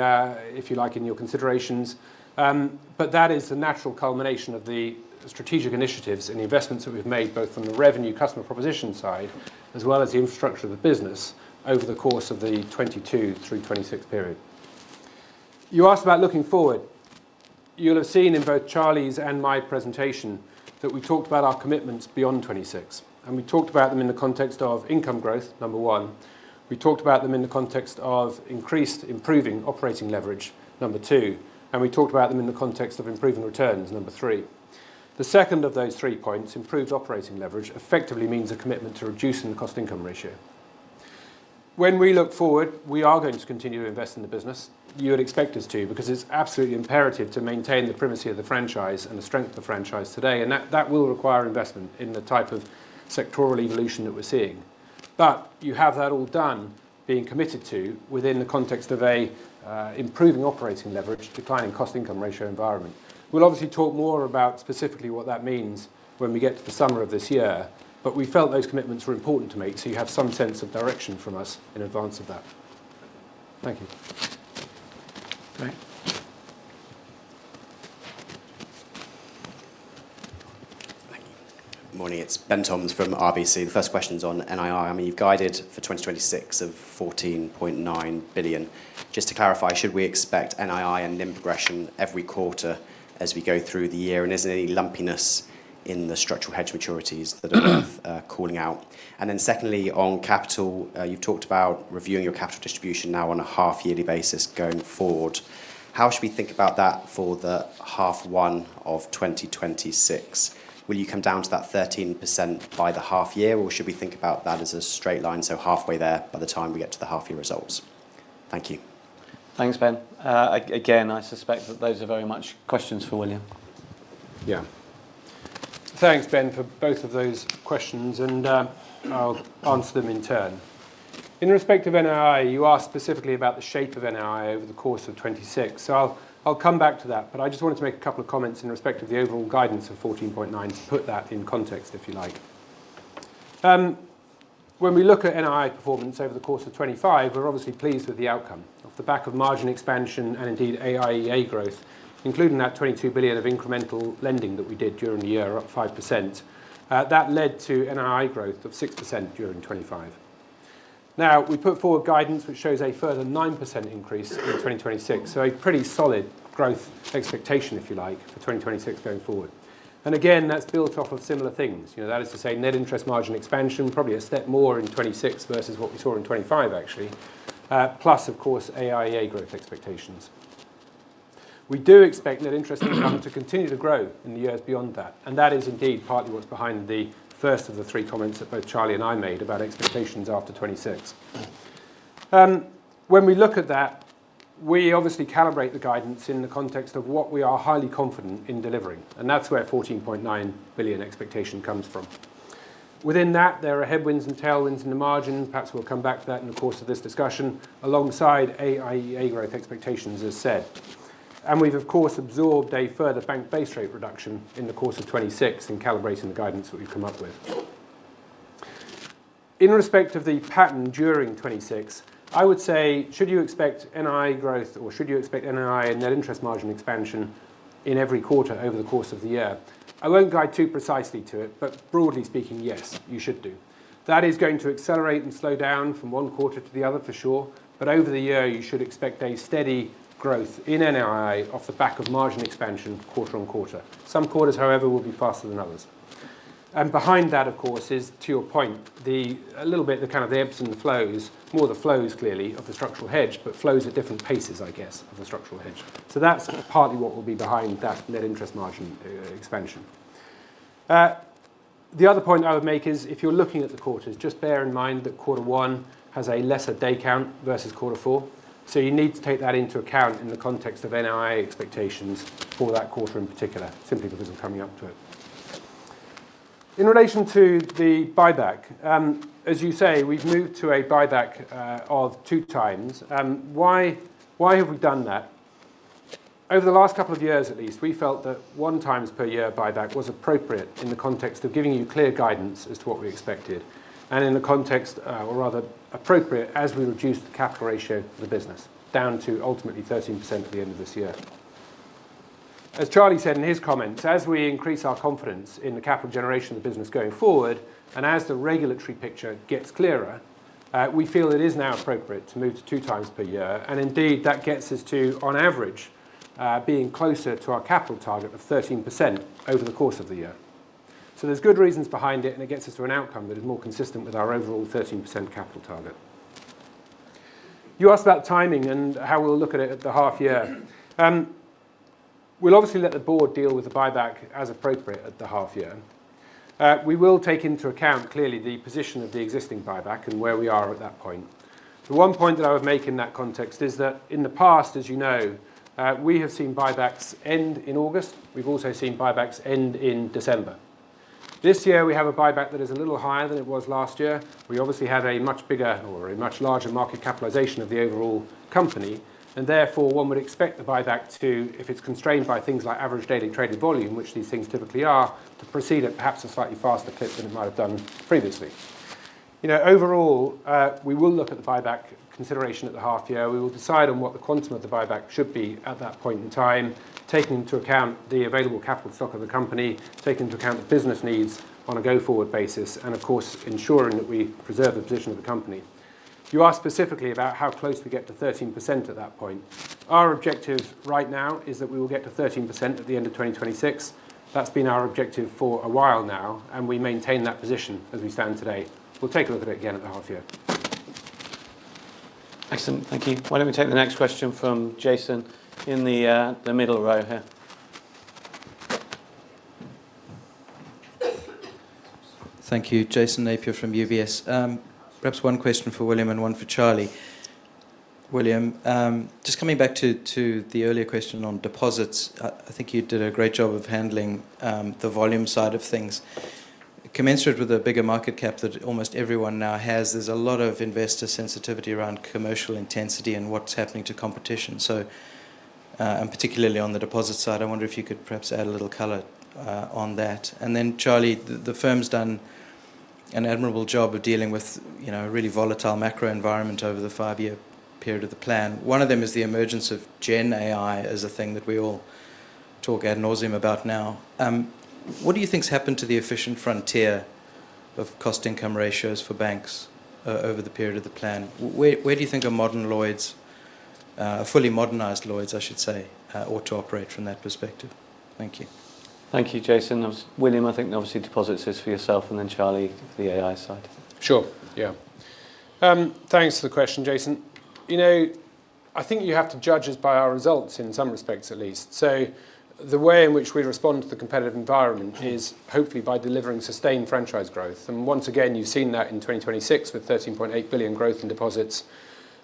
Speaker 2: if you like, in your considerations. But that is the natural culmination of the strategic initiatives and the investments that we've made, both from the revenue customer proposition side, as well as the infrastructure of the business over the course of the 2022 through 2026 period. You asked about looking forward. You'll have seen in both Charlie's and my presentation that we talked about our commitments beyond 2026, and we talked about them in the context of income growth, number one. We talked about them in the context of increased improving operating leverage, number two. And we talked about them in the context of improving returns, number three. The second of those three points, improved operating leverage, effectively means a commitment to reducing the cost-income ratio. When we look forward, we are going to continue to invest in the business. You would expect us to, because it's absolutely imperative to maintain the primacy of the franchise and the strength of the franchise today, and that, that will require investment in the type of sectoral evolution that we're seeing. But you have that all done, being committed to within the context of a improving operating leverage, declining cost-income ratio environment. We'll obviously talk more about specifically what that means when we get to the summer of this year, but we felt those commitments were important to make, so you have some sense of direction from us in advance of that. Thank you.
Speaker 3: Great.
Speaker 5: Thank you. Good morning, it's Ben Toms from RBC. The first question is on NII. I mean, you've guided for 2026 of 14.9 billion. Just to clarify, should we expect NII and NIM progression every quarter as we go through the year, and is there any lumpiness in the structural hedge maturities that are worth calling out? And then secondly, on capital, you've talked about reviewing your capital distribution now on a half-yearly basis going forward. How should we think about that for the H1 of 2026? Will you come down to that 13% by the half year, or should we think about that as a straight line, so halfway there by the time we get to the half-year results? Thank you.
Speaker 3: Thanks, Ben. Again, I suspect that those are very much questions for William.
Speaker 2: Yeah. Thanks, Ben, for both of those questions, and I'll answer them in turn. In respect of NII, you asked specifically about the shape of NII over the course of 2026, so I'll come back to that, but I just wanted to make a couple of comments in respect of the overall guidance of 14.9 to put that in context, if you like. When we look at NII performance over the course of 2025, we're obviously pleased with the outcome. Off the back of margin expansion and indeed AIEA growth, including that 22 billion of incremental lending that we did during the year, up 5%. That led to NII growth of 6% during 2025. Now, we put forward guidance, which shows a further 9% increase in 2026, so a pretty solid growth expectation, if you like, for 2026 going forward. And again, that's built off of similar things. You know, that is to say, net interest margin expansion, probably a step more in 2026 versus what we saw in 2025, actually, plus, of course, AIEA growth expectations. We do expect net interest income to continue to grow in the years beyond that, and that is indeed partly what's behind the first of the three comments that both Charlie and I made about expectations after 2026. When we look at that, we obviously calibrate the guidance in the context of what we are highly confident in delivering, and that's where 14.9 billion expectation comes from. Within that, there are headwinds and tailwinds in the margins, perhaps we'll come back to that in the course of this discussion, alongside AIEA growth expectations, as said. We've, of course, absorbed a further bank base rate reduction in the course of 2026 in calibrating the guidance that we've come up with. In respect of the pattern during 2026, I would say, should you expect NII growth, or should you expect NII and net interest margin expansion in every quarter over the course of the year? I won't guide too precisely to it, but broadly speaking, yes, you should do. That is going to accelerate and slow down from one quarter to the other, for sure, but over the year, you should expect a steady growth in NII off the back of margin expansion quarter on quarter. Some quarters, however, will be faster than others. Behind that, of course, is, to your point, a little bit the kind of the ebbs and flows, more the flows, clearly, of the structural hedge, but flows at different paces, I guess, of the structural hedge. So that's partly what will be behind that net interest margin expansion. The other point I would make is if you're looking at the quarters, just bear in mind that quarter one has a lesser day count versus quarter four, so you need to take that into account in the context of NII expectations for that quarter in particular, simply because of coming up to it. In relation to the buyback, as you say, we've moved to a buyback of two times. Why, why have we done that? Over the last couple of years at least, we felt that one times per year buyback was appropriate in the context of giving you clear guidance as to what we expected, and in the context, or rather, appropriate as we reduced the capital ratio of the business down to ultimately 13% at the end of this year. As Charlie said in his comments, as we increase our confidence in the capital generation of the business going forward, and as the regulatory picture gets clearer, we feel it is now appropriate to move to two times per year, and indeed, that gets us to, on average, being closer to our capital target of 13% over the course of the year. So there's good reasons behind it, and it gets us to an outcome that is more consistent with our overall 13% capital target. You asked about timing and how we'll look at it at the half year. We'll obviously let the Board deal with the buyback as appropriate at the half year. We will take into account, clearly, the position of the existing buyback and where we are at that point. The one point that I would make in that context is that in the past, as you know, we have seen buybacks end in August. We've also seen buybacks end in December. This year, we have a buyback that is a little higher than it was last year. We obviously have a much bigger or a much larger market capitalization of the overall company, and therefore, one would expect the buyback to, if it's constrained by things like average daily traded volume, which these things typically are, to proceed at perhaps a slightly faster clip than it might have done previously. You know, overall, we will look at the buyback consideration at the half year. We will decide on what the quantum of the buyback should be at that point in time, taking into account the available capital stock of the company, taking into account the business needs on a go-forward basis, and of course, ensuring that we preserve the position of the company. You asked specifically about how close we get to 13% at that point. Our objective right now is that we will get to 13% at the end of 2026. That's been our objective for a while now, and we maintain that position as we stand today. We'll take a look at it again at the half year.
Speaker 3: Excellent. Thank you. Why don't we take the next question from Jason in the middle row here?
Speaker 6: Thank you. Jason Napier from UBS. Perhaps one question for William and one for Charlie. William, just coming back to the earlier question on deposits. I think you did a great job of handling the volume side of things. Commensurate with the bigger market cap that almost everyone now has, there's a lot of investor sensitivity around commercial intensity and what's happening to competition. So, and particularly on the deposit side, I wonder if you could perhaps add a little color on that. And then, Charlie, the firm's done an admirable job of dealing with, you know, a really volatile macro environment over the five-year period of the plan. One of them is the emergence of GenAI as a thing that we all talk ad nauseam about now. What do you think's happened to the efficient frontier of cost income ratios for banks over the period of the plan? Where do you think a modern Lloyds, a fully modernized Lloyds, I should say, ought to operate from that perspective? Thank you.
Speaker 3: Thank you, Jason. William, I think, obviously, deposits is for yourself, and then Charlie, the AI side.
Speaker 2: Sure, yeah. Thanks for the question, Jason. You know, I think you have to judge us by our results in some respects, at least. So the way in which we respond to the competitive environment is hopefully by delivering sustained franchise growth. And once again, you've seen that in 2026 with 13.8 billion growth in deposits.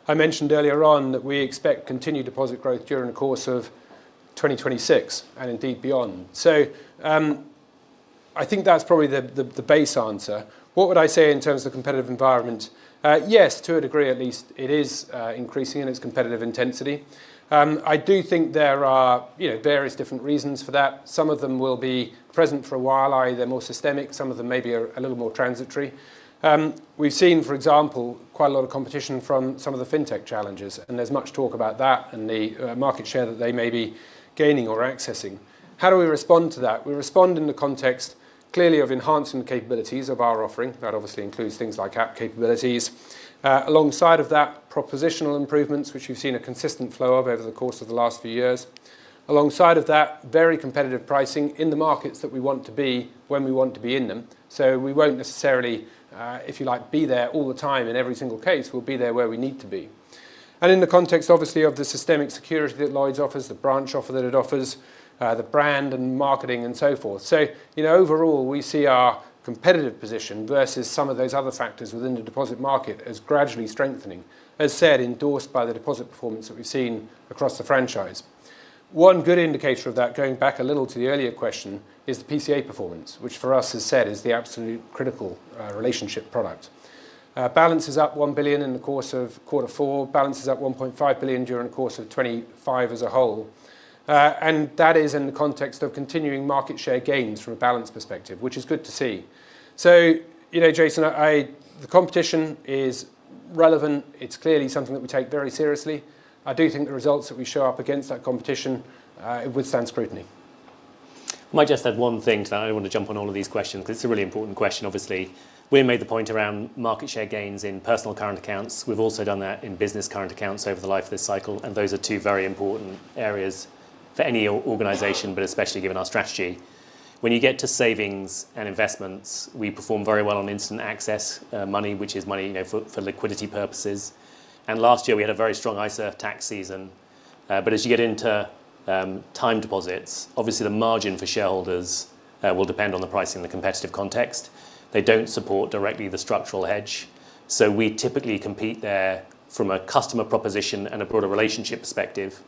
Speaker 2: I mentioned earlier on that we expect continued deposit growth during the course of 2026 and indeed beyond. So, I think that's probably the base answer. What would I say in terms of competitive environment? Yes, to a degree at least, it is increasing in its competitive intensity. I do think there are, you know, various different reasons for that. Some of them will be present for a while, either more systemic, some of them may be a little more transitory. We've seen, for example, quite a lot of competition from some of the fintech challengers, and there's much talk about that and the market share that they may be gaining or accessing. How do we respond to that? We respond in the context, clearly, of enhancing the capabilities of our offering. That obviously includes things like app capabilities. Alongside of that, propositional improvements, which we've seen a consistent flow of over the course of the last few years. Alongside of that, very competitive pricing in the markets that we want to be when we want to be in them. So we won't necessarily, if you like, be there all the time in every single case, we'll be there where we need to be. In the context, obviously, of the systemic security that Lloyds offers, the branch offer that it offers, the brand and marketing, and so forth. So, you know, overall, we see our competitive position versus some of those other factors within the deposit market as gradually strengthening, as said, endorsed by the deposit performance that we've seen across the franchise. One good indicator of that, going back a little to the earlier question, is the PCA performance, which for us, as said, is the absolute critical relationship product. Balance is up 1 billion in the course of quarter four, balance is up 1.5 billion during the course of 2025 as a whole. And that is in the context of continuing market share gains from a balance perspective, which is good to see. So, you know, Jason, I the competition is relevant. It's clearly something that we take very seriously. I do think the results that we show up against that competition, it withstands scrutiny.
Speaker 1: I might just add one thing to that. I don't want to jump on all of these questions, 'cause it's a really important question, obviously. William made the point around market share gains in personal current accounts. We've also done that in business current accounts over the life of this cycle, and those are two very important areas for any organization, but especially given our strategy. When you get to savings and investments, we perform very well on instant access money, which is money, you know, for liquidity purposes. And last year, we had a very strong ISA tax season. But as you get into time deposits, obviously, the margin for shareholders will depend on the pricing and the competitive context. They don't support directly the structural hedge, so we typically compete there from a customer proposition and a broader relationship perspective,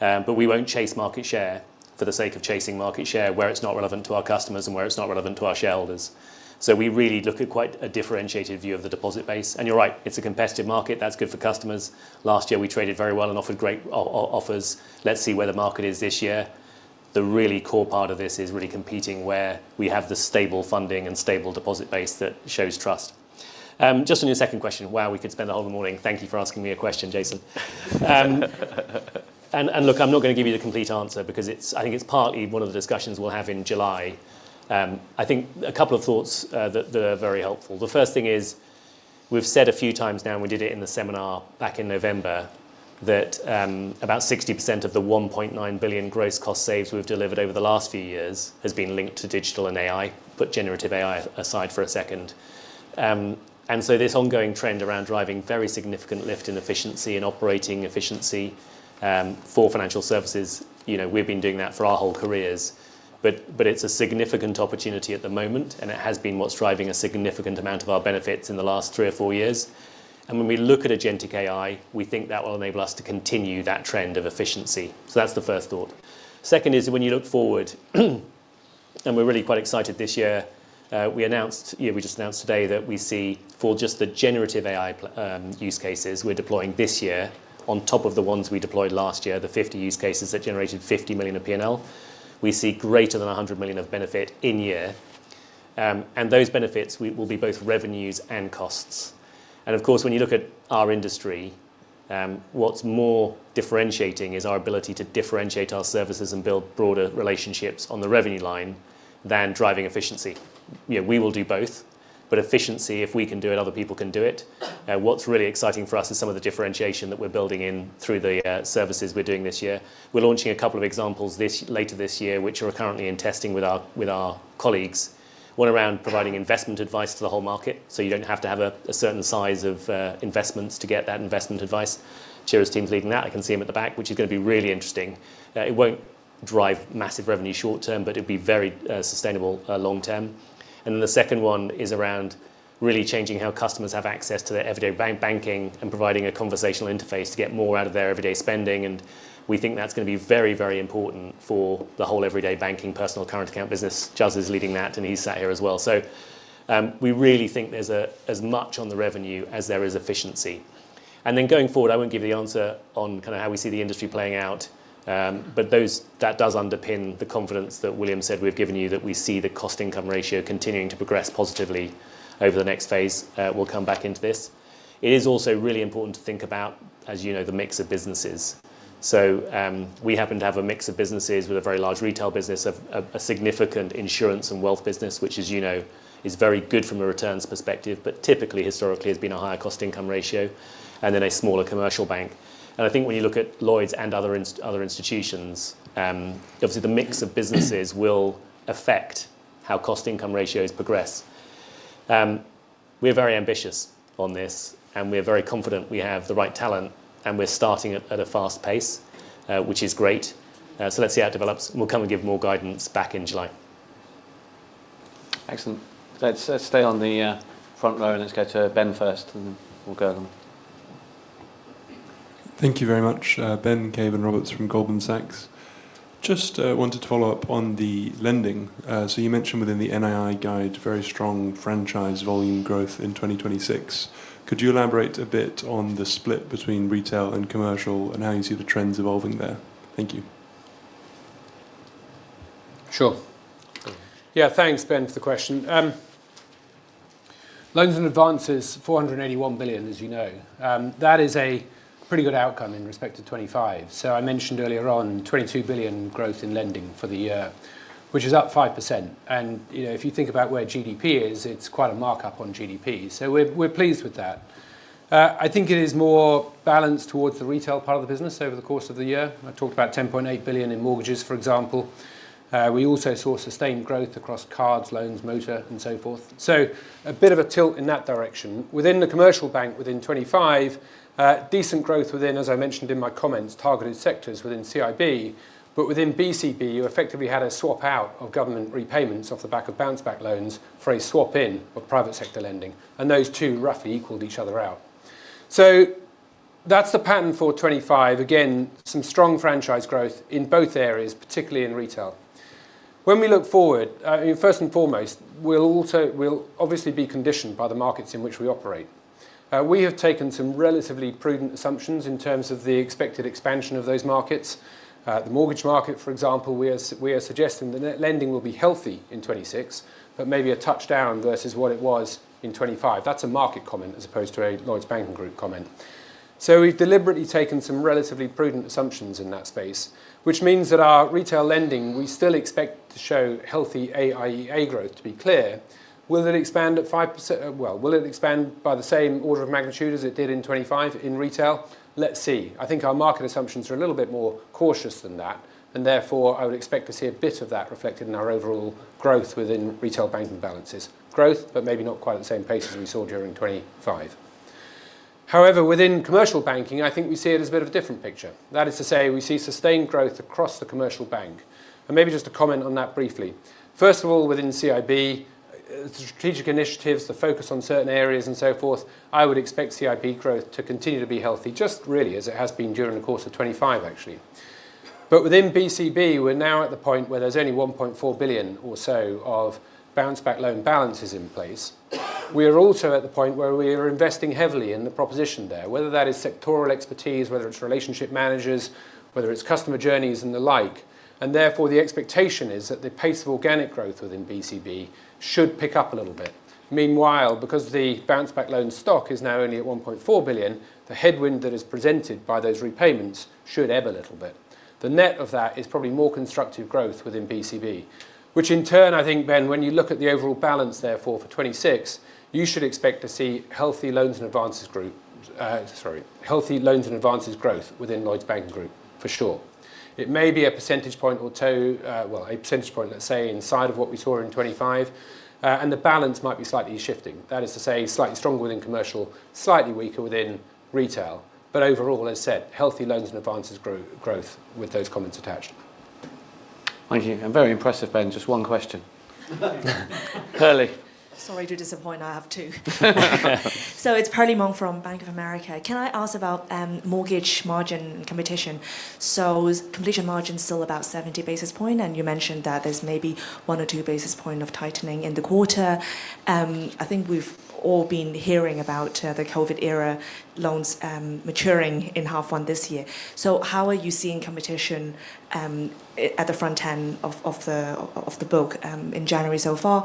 Speaker 1: but we won't chase market share for the sake of chasing market share, where it's not relevant to our customers and where it's not relevant to our shareholders. So we really look at quite a differentiated view of the deposit base. And you're right, it's a competitive market. That's good for customers. Last year, we traded very well and offered great offers. Let's see where the market is this year. The really core part of this is really competing where we have the stable funding and stable deposit base that shows trust. Just on your second question, wow, we could spend the whole morning. Thank you for asking me a question, Jason. Look, I'm not going to give you the complete answer because it's. I think it's partly one of the discussions we'll have in July. I think a couple of thoughts that are very helpful. The first thing is, we've said a few times now, and we did it in the seminar back in November, that about 60% of the 1.9 billion gross cost saves we've delivered over the last few years has been linked to digital and AI, but generative AI aside for a second. And so this ongoing trend around driving very significant lift in efficiency and operating efficiency for financial services, you know, we've been doing that for our whole careers. But it's a significant opportunity at the moment, and it has been what's driving a significant amount of our benefits in the last three or four years. And when we look at agentic AI, we think that will enable us to continue that trend of efficiency. So that's the first thought. Second is, when you look forward, and we're really quite excited this year, we just announced today that we see for just the generative AI use cases we're deploying this year, on top of the ones we deployed last year, the 50 use cases that generated 50 million of P&L, we see greater than 100 million of benefit in year, and those benefits will be both revenues and costs. And of course, when you look at our industry, what's more differentiating is our ability to differentiate our services and build broader relationships on the revenue line than driving efficiency. Yeah, we will do both, but efficiency, if we can do it, other people can do it. What's really exciting for us is some of the differentiation that we're building in through the services we're doing this year. We're launching a couple of examples later this year, which are currently in testing with our colleagues. One around providing investment advice to the whole market, so you don't have to have a certain size of investments to get that investment advice. Chira's team is leading that, I can see him at the back, which is going to be really interesting. It won't drive massive revenue short term, but it'll be very sustainable long term. And then the second one is around really changing how customers have access to their everyday bank- banking, and providing a conversational interface to get more out of their everyday spending, and we think that's going to be very, very important for the whole everyday banking personal current account business. Charles is leading that, and he's sat here as well. So, we really think there's as much on the revenue as there is efficiency. And then going forward, I won't give the answer on kind of how we see the industry playing out, but those that does underpin the confidence that William said we've given you, that we see the cost-income ratio continuing to progress positively over the next phase. We'll come back into this. It is also really important to think about, as you know, the mix of businesses. So, we happen to have a mix of businesses with a very large retail business, a significant insurance and wealth business, which as you know, is very good from a returns perspective, but typically, historically, has been a higher cost-income ratio, and then a smaller commercial bank. I think when you look at Lloyds and other institutions, obviously, the mix of businesses will affect how cost-income ratios progress. We're very ambitious on this, and we're very confident we have the right talent, and we're starting at a fast pace, which is great. So let's see how it develops. We'll come and give more guidance back in July.
Speaker 3: Excellent. Let's stay on the front row, and let's go to Ben first, and then we'll go on.
Speaker 7: Thank you very much. Ben Cavan Roberts from Goldman Sachs. Just wanted to follow up on the lending. So you mentioned within the NII guide, very strong franchise volume growth in 2026. Could you elaborate a bit on the split between retail and commercial, and how you see the trends evolving there? Thank you.
Speaker 1: Sure.
Speaker 2: Yeah, thanks, Ben, for the question. Loans and advances, 481 billion, as you know. That is a pretty good outcome in respect to 25. So I mentioned earlier on, 22 billion growth in lending for the year, which is up 5%. And, you know, if you think about where GDP is, it's quite a markup on GDP. So we're, we're pleased with that. I think it is more balanced towards the retail part of the business over the course of the year. I talked about 10.8 billion in mortgages, for example. We also saw sustained growth across cards, loans, motor, and so forth. So a bit of a tilt in that direction. Within the commercial bank, within 25, decent growth within, as I mentioned in my comments, targeted sectors within CIB. But within BCB, you effectively had a swap out of government repayments off the back of Bounce Back Loans for a swap in of private sector lending, and those two roughly equaled each other out. So that's the pattern for 2025. Again, some strong franchise growth in both areas, particularly in retail. When we look forward, first and foremost, we'll also—we'll obviously be conditioned by the markets in which we operate. We have taken some relatively prudent assumptions in terms of the expected expansion of those markets. The mortgage market, for example, we are—we are suggesting the net lending will be healthy in 2026, but maybe a touchdown versus what it was in 2025. That's a market comment, as opposed to a Lloyds Banking Group comment. So we've deliberately taken some relatively prudent assumptions in that space, which means that our retail lending, we still expect to show healthy AIEA growth. To be clear, will it expand at 5%? Well, will it expand by the same order of magnitude as it did in 2025 in retail? Let's see. I think our market assumptions are a little bit more cautious than that, and therefore, I would expect to see a bit of that reflected in our overall growth within retail banking balances. Growth, but maybe not quite the same pace as we saw during 2025. However, within Commercial Banking, I think we see it as a bit of a different picture. That is to say, we see sustained growth across the commercial bank, and maybe just to comment on that briefly. First of all, within CIB, the strategic initiatives, the focus on certain areas, and so forth, I would expect CIB growth to continue to be healthy, just really as it has been during the course of 25, actually. But within BCB, we're now at the point where there's only 1.4 billion or so of Bounce Back Loan balances in place. We are also at the point where we are investing heavily in the proposition there, whether that is sectoral expertise, whether it's relationship managers, whether it's customer journeys and the like, and therefore, the expectation is that the pace of organic growth within BCB should pick up a little bit. Meanwhile, because the Bounce Back Loan stock is now only at 1.4 billion, the headwind that is presented by those repayments should ebb a little bit. The net of that is probably more constructive growth within BCB, which in turn, I think, Ben, when you look at the overall balance, therefore, for 2026, you should expect to see healthy loans and advances Group, sorry, healthy loans and advances growth within Lloyds Banking Group, for sure. It may be a percentage point or two, well, a percentage point, let's say, inside of what we saw in 2025, and the balance might be slightly shifting. That is to say, slightly stronger within commercial, slightly weaker within retail. But overall, as said, healthy loans and advances growth with those comments attached.
Speaker 3: Thank you, and very impressive, Ben. Just one question. Perlie.
Speaker 8: Sorry to disappoint, I have two. So it's Perlie Mong from Bank of America. Can I ask about mortgage margin competition? So is competition margin still about 70 basis point? And you mentioned that there's maybe 1 or 2 basis point of tightening in the quarter. I think we've all been hearing about the COVID era loans maturing in half one this year. So how are you seeing competition at the front end of the book in January so far?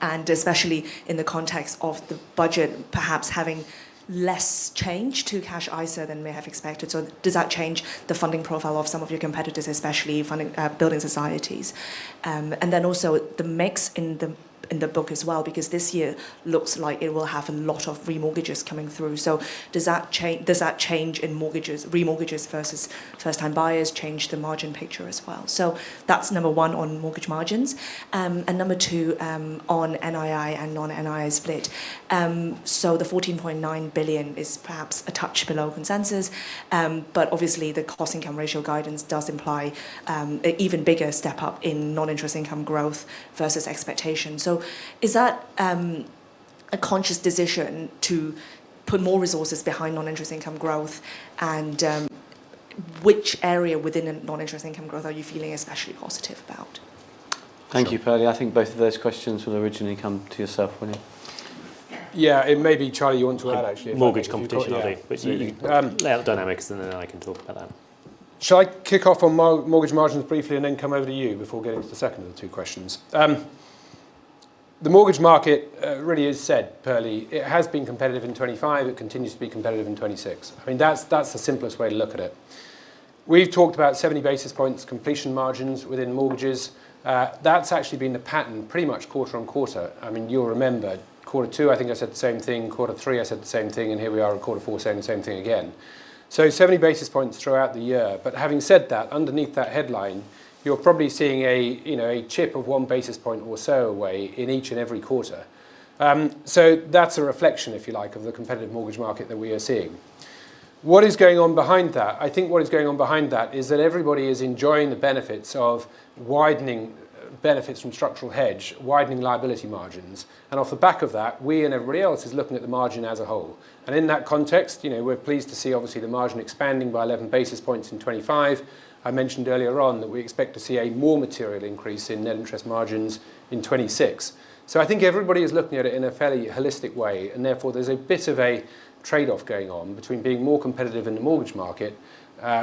Speaker 8: And especially in the context of the budget, perhaps having less change to cash ISA than may have expected. So does that change the funding profile of some of your competitors, especially funding building societies? And then also the mix in the book as well, because this year looks like it will have a lot of remortgages coming through. So does that change in mortgages, remortgages versus first-time buyers, change the margin picture as well? So that's number one on mortgage margins. And number two, on NII and non-NII split. So the 14.9 billion is perhaps a touch below consensus, but obviously, the cost-income ratio guidance does imply an even bigger step up in non-interest income growth versus expectation. So is that a conscious decision to put more resources behind non-interest income growth? And which area within a non-interest income growth are you feeling especially positive about?
Speaker 3: Thank you, Perlie. I think both of those questions will originally come to yourself, will you?
Speaker 2: Yeah, it may be Charlie, you want to add actually-
Speaker 1: Mortgage competition, obviously.
Speaker 2: Yeah.
Speaker 1: Dynamics, and then I can talk about that.
Speaker 2: Shall I kick off on mortgage margins briefly and then come over to you before getting to the second of the two questions? The mortgage market really is set, Perlie. It has been competitive in 2025. It continues to be competitive in 2026. I mean, that's, that's the simplest way to look at it. We've talked about 70 basis points, completion margins within mortgages. That's actually been the pattern pretty much quarter on quarter. I mean, you'll remember, quarter two, I think I said the same thing, quarter three, I said the same thing, and here we are in quarter four saying the same thing again. So 70 basis points throughout the year. But having said that, underneath that headline, you're probably seeing a, you know, a chip of 1 basis point or so away in each and every quarter. So that's a reflection, if you like, of the competitive mortgage market that we are seeing. What is going on behind that? I think what is going on behind that is that everybody is enjoying the benefits of widening benefits from structural hedge, widening liability margins. And off the back of that, we and everybody else is looking at the margin as a whole. And in that context, you know, we're pleased to see, obviously, the margin expanding by 11 basis points in 2025. I mentioned earlier on that we expect to see a more material increase in net interest margins in 2026. I think everybody is looking at it in a fairly holistic way, and therefore, there's a bit of a trade-off going on between being more competitive in the mortgage market,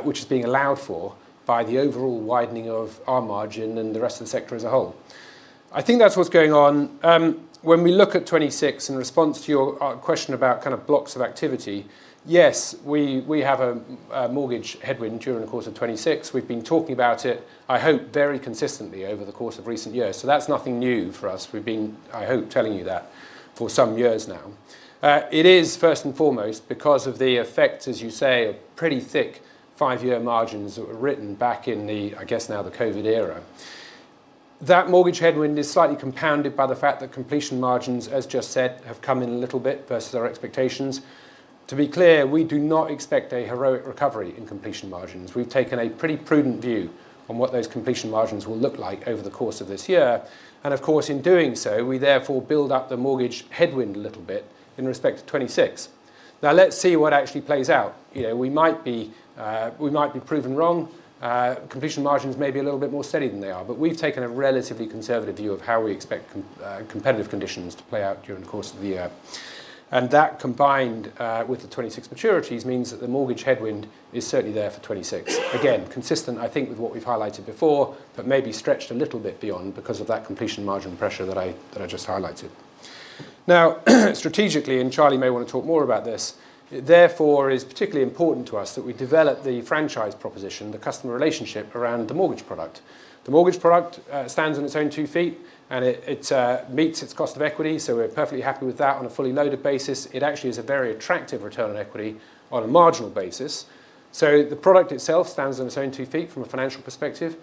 Speaker 2: which is being allowed for by the overall widening of our margin and the rest of the sector as a whole. I think that's what's going on. When we look at 2026, in response to your question about kind of blocks of activity, yes, we have a mortgage headwind during the course of 2026. We've been talking about it, I hope, very consistently over the course of recent years. That's nothing new for us. We've been, I hope, telling you that for some years now. It is first and foremost because of the effect, as you say, a pretty thick five-year margins that were written back in the, I guess, now the COVID era. That mortgage headwind is slightly compounded by the fact that completion margins, as just said, have come in a little bit versus our expectations. To be clear, we do not expect a heroic recovery in completion margins. We've taken a pretty prudent view on what those completion margins will look like over the course of this year. And of course, in doing so, we therefore build up the mortgage headwind a little bit in respect to 2026. Now, let's see what actually plays out. You know, we might be, we might be proven wrong. Completion margins may be a little bit more steady than they are, but we've taken a relatively conservative view of how we expect competitive conditions to play out during the course of the year. And that, combined, with the 2026 maturities, means that the mortgage headwind is certainly there for 2026. Again, consistent, I think, with what we've highlighted before, but maybe stretched a little bit beyond because of that completion margin pressure that I just highlighted. Now, strategically, and Charlie may want to talk more about this, therefore, it is particularly important to us that we develop the franchise proposition, the customer relationship around the mortgage product. The mortgage product stands on its own two feet, and it meets its cost of equity, so we're perfectly happy with that on a fully loaded basis. It actually is a very attractive return on equity on a marginal basis. So the product itself stands on its own two feet from a financial perspective,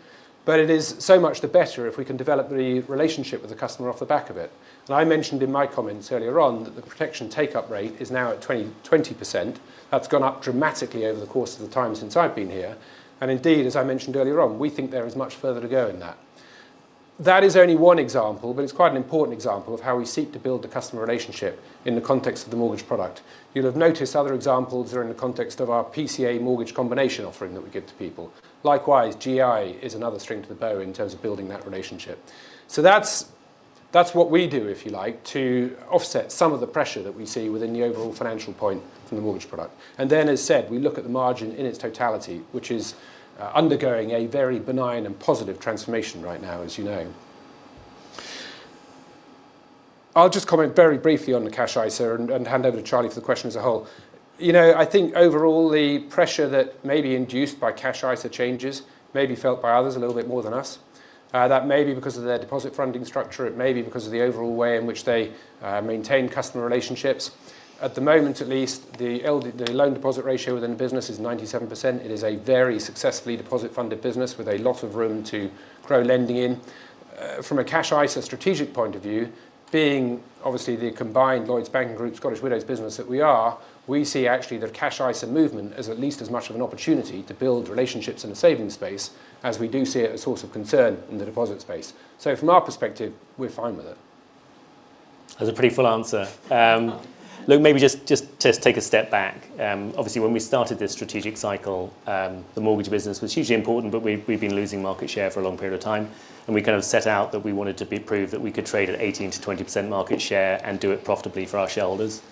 Speaker 2: but it is so much the better if we can develop the relationship with the customer off the back of it. And I mentioned in my comments earlier on that the protection take-up rate is now at 20, 20%. That's gone up dramatically over the course of the time since I've been here. And indeed, as I mentioned earlier on, we think there is much further to go in that. That is only one example, but it's quite an important example of how we seek to build the customer relationship in the context of the mortgage product. You'll have noticed other examples are in the context of our PCA mortgage combination offering that we give to people. Likewise, GI is another string to the bow in terms of building that relationship. So that's, that's what we do, if you like, to offset some of the pressure that we see within the overall financial point from the mortgage product. And then, as said, we look at the margin in its totality, which is undergoing a very benign and positive transformation right now, as you know. I'll just comment very briefly on the cash ISA and hand over to Charlie for the question as a whole. You know, I think overall, the pressure that may be induced by cash ISA changes may be felt by others a little bit more than us. That may be because of their deposit funding structure. It may be because of the overall way in which they maintain customer relationships. At the moment, at least, the loan deposit ratio within the business is 97%. It is a very successfully deposit-funded business with a lot of room to grow lending in. From a cash ISA strategic point of view, being obviously the combined Lloyds Banking Group, Scottish Widows business that we are, we see actually the cash ISA movement as at least as much of an opportunity to build relationships in the savings space as we do see it a source of concern in the deposit space. So from our perspective, we're fine with it.
Speaker 1: That's a pretty full answer. Look, maybe just take a step back. Obviously, when we started this strategic cycle, the mortgage business was hugely important, but we'd been losing market share for a long period of time, and we kind of set out that we wanted to prove that we could trade at 18%-20% market share and do it profitably for our shareholders.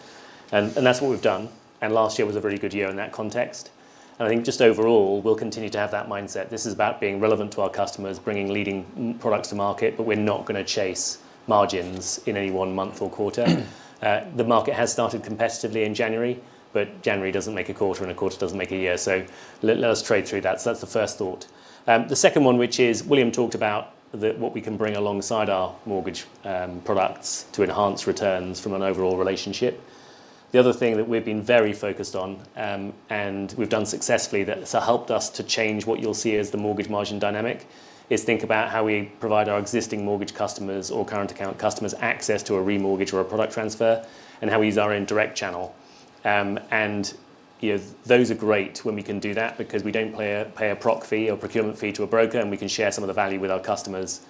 Speaker 1: That's what we've done, and last year was a very good year in that context. I think just overall, we'll continue to have that mindset. This is about being relevant to our customers, bringing leading mortgage products to market, but we're not gonna chase margins in any one month or quarter. The market has started competitively in January, but January doesn't make a quarter, and a quarter doesn't make a year. So let us trade through that. So that's the first thought. The second one, which is William talked about the what we can bring alongside our mortgage products to enhance returns from an overall relationship. The other thing that we've been very focused on, and we've done successfully, that's helped us to change what you'll see as the mortgage margin dynamic, is think about how we provide our existing mortgage customers or current account customers access to a remortgage or a product transfer, and how we use our own direct channel. And, you know, those are great when we can do that because we don't pay a proc fee or procurement fee to a broker, and we can share some of the value with our customers,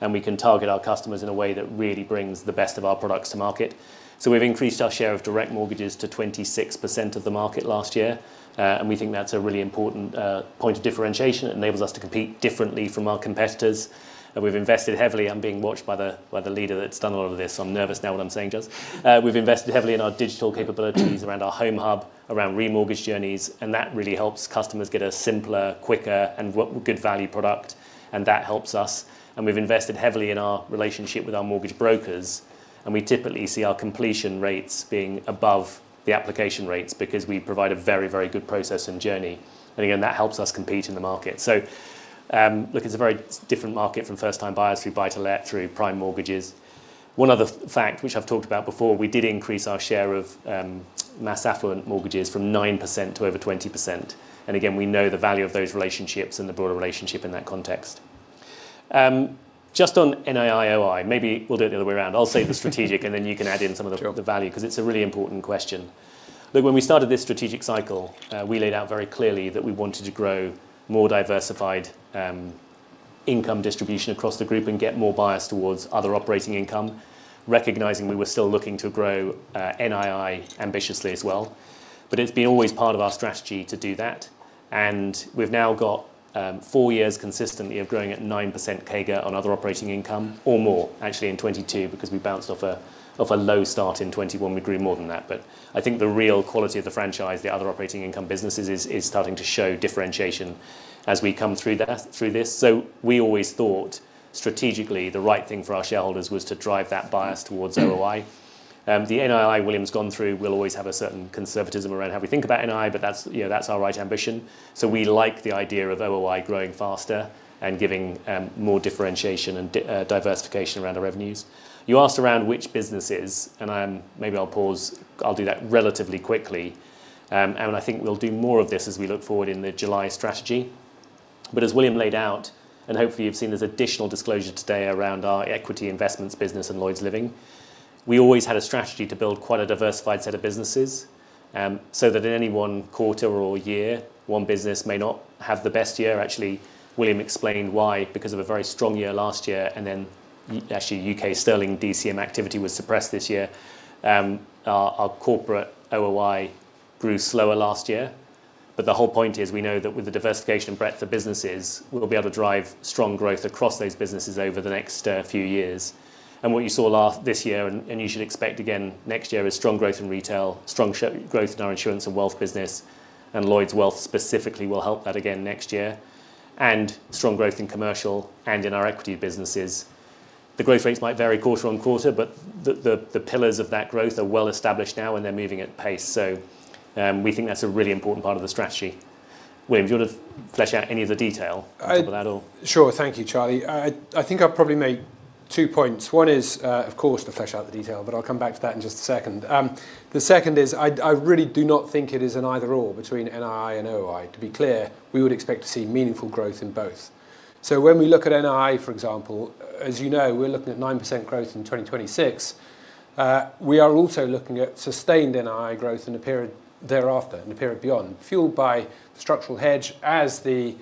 Speaker 1: and we can target our customers in a way that really brings the best of our products to market. So we've increased our share of direct mortgages to 26% of the market last year, and we think that's a really important point of differentiation. It enables us to compete differently from our competitors, and we've invested heavily. I'm being watched by the leader that's done a lot of this, so I'm nervous now what I'm saying just. We've invested heavily in our digital capabilities around our Home Hub, around remortgage journeys, and that really helps customers get a simpler, quicker, and good value product, and that helps us. We've invested heavily in our relationship with our mortgage brokers, and we typically see our completion rates being above the application rates because we provide a very, very good process and journey. Again, that helps us compete in the market. So, look, it's a very different market from first-time buyers through buy-to-let, through prime mortgages. One other fact, which I've talked about before, we did increase our share of mass affluent mortgages from 9% to over 20%, and again, we know the value of those relationships and the broader relationship in that context. Just on NII/OI, maybe we'll do it the other way around. I'll say the strategic, and then you can add in some of the-
Speaker 2: Sure
Speaker 1: The value, 'cause it's a really important question. Look, when we started this strategic cycle, we laid out very clearly that we wanted to grow more diversified income distribution across the Group and get more bias towards other operating income, recognizing we were still looking to grow NII ambitiously as well. But it's been always part of our strategy to do that, and we've now got four years consistently of growing at 9% CAGR on other operating income or more, actually in 2022, because we bounced off a low start in 2021, we grew more than that. But I think the real quality of the franchise, the other operating income businesses, is starting to show differentiation as we come through that, through this. So we always thought strategically, the right thing for our shareholders was to drive that bias towards OI. The NII William's gone through will always have a certain conservatism around how we think about NII, but that's, you know, that's our right ambition. So we like the idea of OI growing faster and giving more differentiation and diversification around our revenues. You asked around which businesses, and maybe I'll pause. I'll do that relatively quickly. I think we'll do more of this as we look forward in the July strategy. But as William laid out, and hopefully you've seen there's additional disclosure today around our Equity Investments business and Lloyds Living, we always had a strategy to build quite a diversified set of businesses, so that in any one quarter or year, one business may not have the best year. Actually, William explained why, because of a very strong year last year, and then actually, U.K. sterling DCM activity was suppressed this year. Our corporate OOI grew slower last year. But the whole point is we know that with the diversification and breadth of businesses, we'll be able to drive strong growth across those businesses over the next few years. And what you saw this year, and you should expect again next year, is strong growth in retail, strong growth in our insurance and wealth business, and Lloyds Wealth specifically will help that again next year, and strong growth in commercial and in our equity businesses. The growth rates might vary quarter-on-quarter, but the pillars of that growth are well established now and they're moving at pace. So, we think that's a really important part of the strategy. William, do you want to flesh out any of the detail-
Speaker 2: I-
Speaker 1: on that or?
Speaker 2: Sure. Thank you, Charlie. I think I'll probably make two points. One is, of course, to flesh out the detail, but I'll come back to that in just a second. The second is I really do not think it is an either/or between NII and OI. To be clear, we would expect to see meaningful growth in both. So when we look at NII, for example, as you know, we're looking at 9% growth in 2026. We are also looking at sustained NII growth in the period thereafter, in the period beyond, fueled by structural hedge as the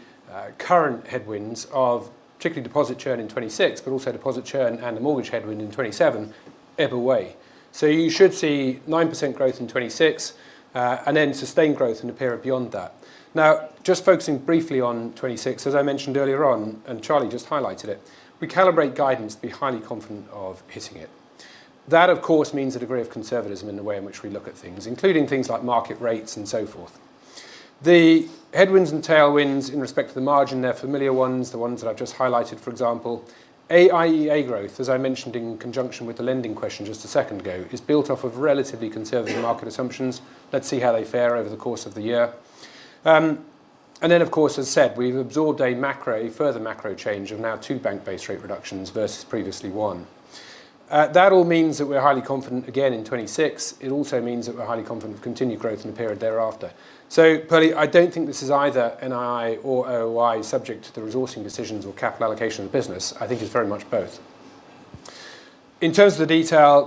Speaker 2: current headwinds of particularly deposit churn in 2026, but also deposit churn and the mortgage headwind in 2027, ebb away. So you should see 9% growth in 2026, and then sustained growth in the period beyond that. Now, just focusing briefly on 2026, as I mentioned earlier on, and Charlie just highlighted it, we calibrate guidance to be highly confident of hitting it. That, of course, means a degree of conservatism in the way in which we look at things, including things like market rates and so forth. The headwinds and tailwinds in respect to the margin, they're familiar ones, the ones that I've just highlighted, for example. AIEA growth, as I mentioned in conjunction with the lending question just a second ago, is built off of relatively conservative market assumptions. Let's see how they fare over the course of the year. And then, of course, as said, we've absorbed a macro, a further macro change of now 2 bank-based rate reductions versus previously 1. That all means that we're highly confident again in 2026. It also means that we're highly confident of continued growth in the period thereafter. So Perlie, I don't think this is either NII or OI, subject to the resourcing decisions or capital allocation of the business. I think it's very much both. In terms of the detail,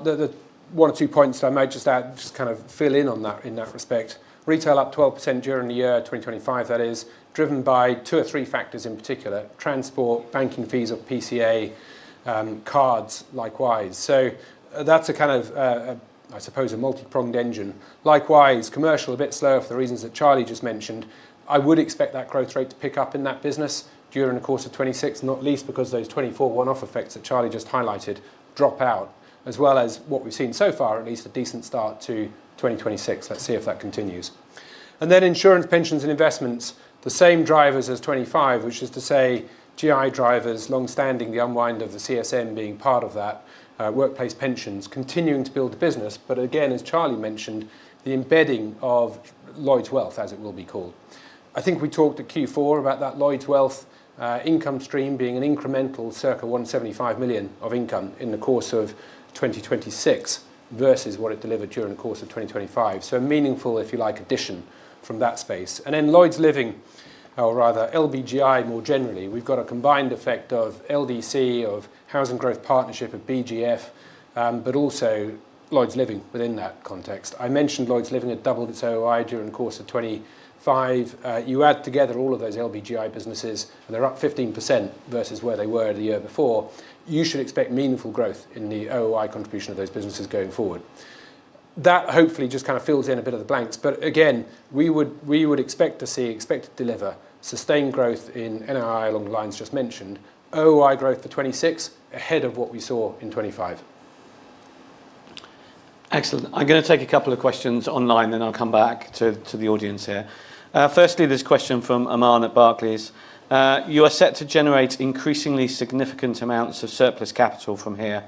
Speaker 2: one or two points that I might just add, just to kind of fill in on that, in that respect. Retail up 12% during the year 2025, that is, driven by two or three factors, in particular, transport, banking fees of PCA, cards, likewise. So that's a kind of, I suppose, a multi-pronged engine. Likewise, commercial, a bit slow for the reasons that Charlie just mentioned. I would expect that growth rate to pick up in that business during the course of 2026, not least because those 2024 one-off effects that Charlie just highlighted drop out, as well as what we've seen so far, at least a decent start to 2026. Let's see if that continues. And then Insurance, Pensions, and Investments, the same drivers as 2025, which is to say, GI drivers, long-standing, the unwind of the CSM being part of that, workplace pensions, continuing to build the business. But again, as Charlie mentioned, the embedding of Lloyds Wealth, as it will be called. I think we talked at Q4 about that Lloyds Wealth, income stream being an incremental circa 175 million of income in the course of 2026 versus what it delivered during the course of 2025. So meaningful, if you like, addition from that space. And then Lloyds Living, or rather LBG EI, more generally, we've got a combined effect of LDC, of Housing Growth Partnership at BGF, but also Lloyds Living within that context. I mentioned Lloyds Living had doubled its OI during the course of 2025. You add together all of those LBG EI businesses, and they're up 15% versus where they were the year before. You should expect meaningful growth in the OI contribution of those businesses going forward. That, hopefully, just kind of fills in a bit of the blanks, but again, we would, we would expect to see, expect to deliver sustained growth in NII, along the lines just mentioned. OI growth for 2026, ahead of what we saw in 2025.
Speaker 3: Excellent. I'm gonna take a couple of questions online, then I'll come back to the audience here. Firstly, this question from Aman at Barclays. You are set to generate increasingly significant amounts of surplus capital from here.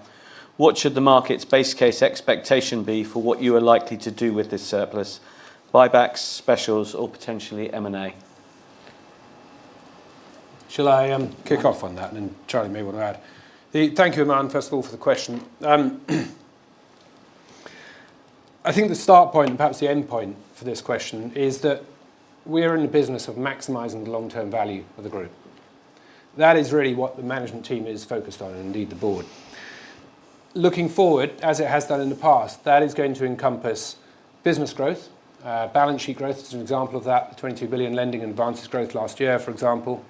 Speaker 3: What should the market's base case expectation be for what you are likely to do with this surplus? Buybacks, specials, or potentially M&A?
Speaker 2: Shall I kick off on that, and then Charlie may want to add? Thank you, Aman, first of all, for the question. I think the start point, and perhaps the end point for this question is that we are in the business of maximizing the long-term value of the Group. That is really what the management team is focused on, and indeed, the Board. Looking forward, as it has done in the past, that is going to encompass business growth, balance sheet growth, as an example of that, the 20 billion lending advances growth last year, for example.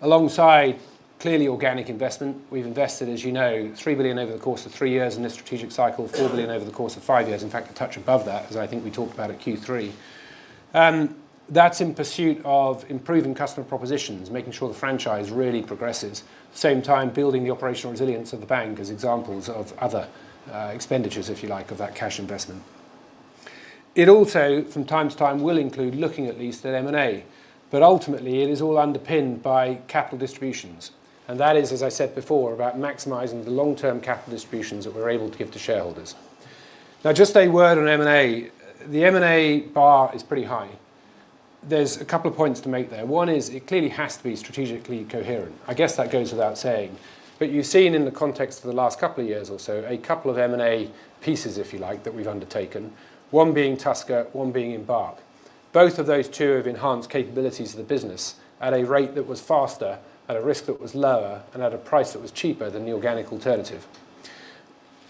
Speaker 2: Alongside, clearly organic investment, we've invested, as you know, 3 billion over the course of three years in this strategic cycle, 4 billion over the course of five years. In fact, a touch above that, as I think we talked about at Q3. That's in pursuit of improving customer propositions, making sure the franchise really progresses. At the same time, building the operational resilience of the bank as examples of other expenditures, if you like, of that cash investment. It also, from time to time, will include looking at least at M&A, but ultimately, it is all underpinned by capital distributions. And that is, as I said before, about maximizing the long-term capital distributions that we're able to give to shareholders. Now, just a word on M&A. The M&A bar is pretty high. There's a couple of points to make there. One is, it clearly has to be strategically coherent. I guess that goes without saying, but you've seen in the context of the last couple of years or so, a couple of M&A pieces, if you like, that we've undertaken. One being Tusker, one being Embark. Both of those two have enhanced capabilities of the business at a rate that was faster, at a risk that was lower, and at a price that was cheaper than the organic alternative.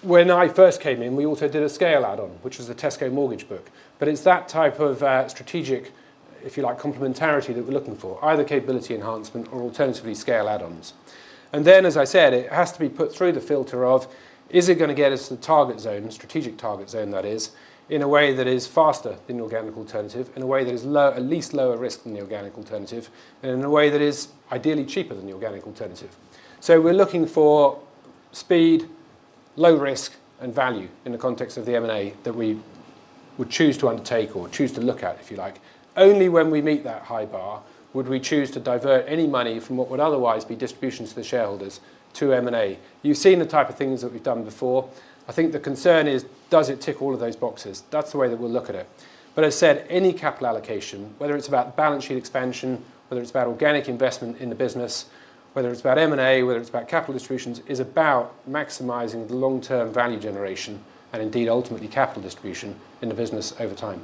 Speaker 2: When I first came in, we also did a scale add-on, which was the Tesco mortgage book, but it's that type of strategic, if you like, complementarity that we're looking for, either capability enhancement or alternatively, scale add-ons. And then, as I said, it has to be put through the filter of, is it gonna get us to the target zone, the strategic target zone, that is, in a way that is faster than the organic alternative, in a way that is lower—at least lower risk than the organic alternative, and in a way that is ideally cheaper than the organic alternative. So we're looking for speed, low risk, and value in the context of the M&A that we would choose to undertake or choose to look at, if you like. Only when we meet that high bar, would we choose to divert any money from what would otherwise be distributions to the shareholders to M&A? You've seen the type of things that we've done before. I think the concern is: Does it tick all of those boxes? That's the way that we'll look at it. But I said, any capital allocation, whether it's about balance sheet expansion, whether it's about organic investment in the business, whether it's about M&A, whether it's about capital distributions, is about maximizing the long-term value generation and indeed, ultimately, capital distribution in the business over time.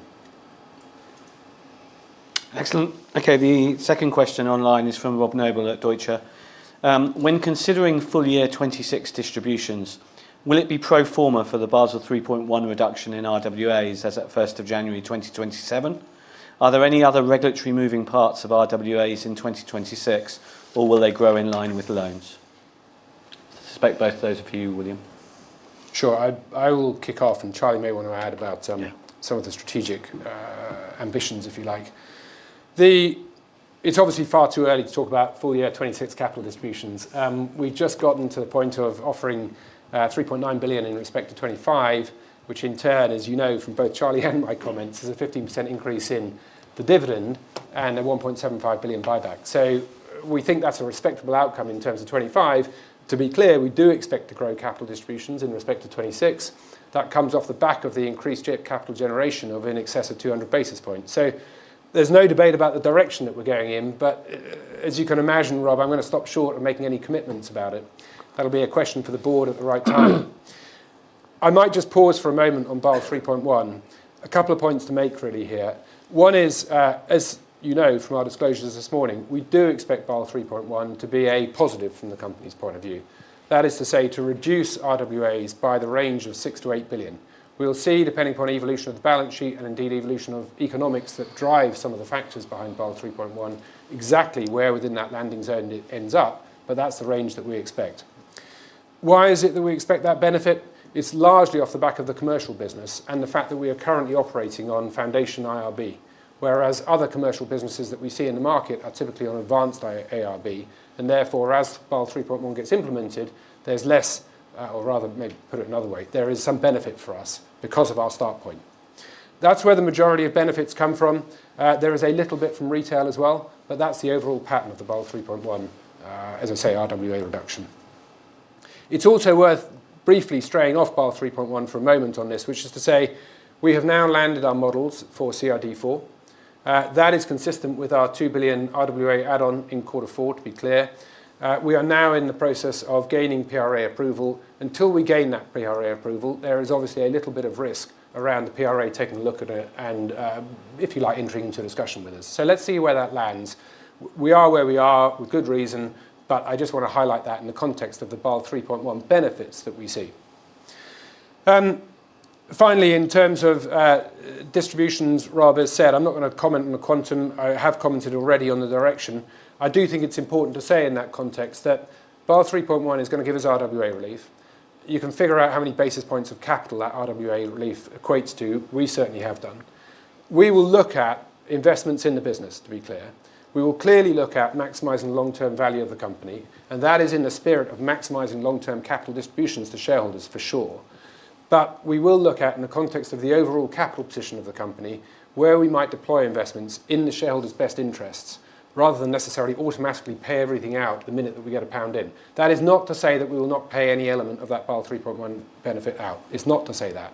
Speaker 3: Excellent. Okay, the second question online is from Rob Noble at Deutsche. When considering full-year 2026 distributions, will it be pro forma for the Basel 3.1 reduction in RWAs as at January 1, 2027? Are there any other regulatory moving parts of RWAs in 2026, or will they grow in line with loans? I suspect both those are for you, William.
Speaker 2: Sure, I will kick off, and Charlie may want to add about.
Speaker 3: Yeah
Speaker 2: Some of the strategic ambitions, if you like. It's obviously far too early to talk about full year 2026 capital distributions. We've just gotten to the point of offering 3.9 billion in respect to 2025, which in turn, as you know, from both Charlie and my comments, is a 15% increase in the dividend and a 1.75 billion buyback. So we think that's a respectable outcome in terms of 2025. To be clear, we do expect to grow capital distributions in respect to 2026. That comes off the back of the increased capital generation of in excess of 200 basis points. So there's no debate about the direction that we're going in, but as you can imagine, Rob, I'm gonna stop short of making any commitments about it. That'll be a question for the Board at the right time. I might just pause for a moment on Basel 3.1. A couple of points to make really here. One is, as you know from our disclosures this morning, we do expect Basel 3.1 to be a positive from the company's point of view. That is to say, to reduce RWAs by the range of 6 billion-8 billion. We'll see, depending upon evolution of the balance sheet and indeed, evolution of economics that drive some of the factors behind Basel 3.1, exactly where within that landing zone it ends up, but that's the range that we expect. Why is it that we expect that benefit? It's largely off the back of the commercial business and the fact that we are currently operating on Foundation IRB, whereas other commercial businesses that we see in the market are typically on advanced IRB, and therefore, as Basel 3.1 gets implemented, there's less, or rather maybe put it another way, there is some benefit for us because of our start point. That's where the majority of benefits come from. There is a little bit from retail as well, but that's the overall pattern of the Basel 3.1, as I say, RWA reduction. It's also worth briefly straying off Basel 3.1 for a moment on this, which is to say, we have now landed our models for CRD IV. That is consistent with our 2 billion RWA add-on in quarter four, to be clear. We are now in the process of gaining PRA approval. Until we gain that PRA approval, there is obviously a little bit of risk around the PRA taking a look at it and, if you like, entering into a discussion with us. So let's see where that lands. We are where we are with good reason, but I just want to highlight that in the context of the Basel 3.1 benefits that we see. Finally, in terms of distributions, Rob has said, I'm not gonna comment on the quantum. I have commented already on the direction. I do think it's important to say in that context, that Basel 3.1 is gonna give us RWA relief. You can figure out how many basis points of capital that RWA relief equates to. We certainly have done. We will look at investments in the business, to be clear. We will clearly look at maximizing long-term value of the company, and that is in the spirit of maximizing long-term capital distributions to shareholders, for sure. But we will look at, in the context of the overall capital position of the company, where we might deploy investments in the shareholders' best interests, rather than necessarily automatically pay everything out the minute that we get GBP 1 in. That is not to say that we will not pay any element of that Basel 3.1 benefit out. It's not to say that.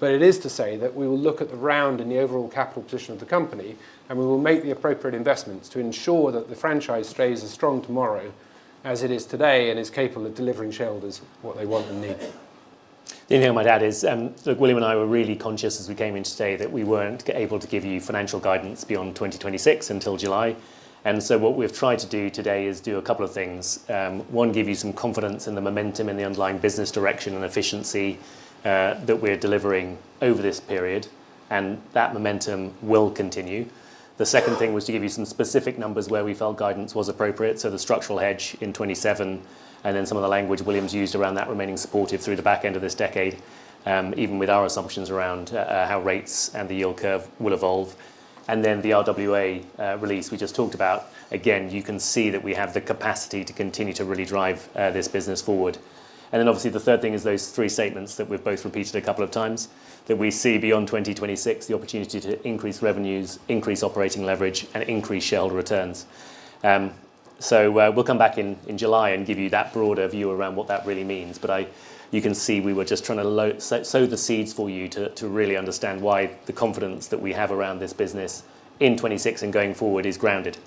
Speaker 2: It is to say that we will look around the overall capital position of the company, and we will make the appropriate investments to ensure that the franchise stays as strong tomorrow as it is today, and is capable of delivering shareholders what they want and need.
Speaker 1: The only thing I might add is, look, William and I were really conscious as we came in today, that we weren't able to give you financial guidance beyond 2026 until July. So what we've tried to do today is do a couple of things. One, give you some confidence in the momentum and the underlying business direction and efficiency that we're delivering over this period, and that momentum will continue. The second thing was to give you some specific numbers where we felt guidance was appropriate, so the structural hedge in 2027, and then some of the language William's used around that remaining supportive through the back end of this decade, even with our assumptions around how rates and the yield curve will evolve. Then the RWA release we just talked about. Again, you can see that we have the capacity to continue to really drive this business forward. And then obviously, the third thing is those three statements that we've both repeated a couple of times, that we see beyond 2026, the opportunity to increase revenues, increase operating leverage, and increase shareholder returns. So, we'll come back in July and give you that broader view around what that really means. But I, you can see we were just trying to sow the seeds for you to really understand why the confidence that we have around this business in 2026 and going forward is grounded.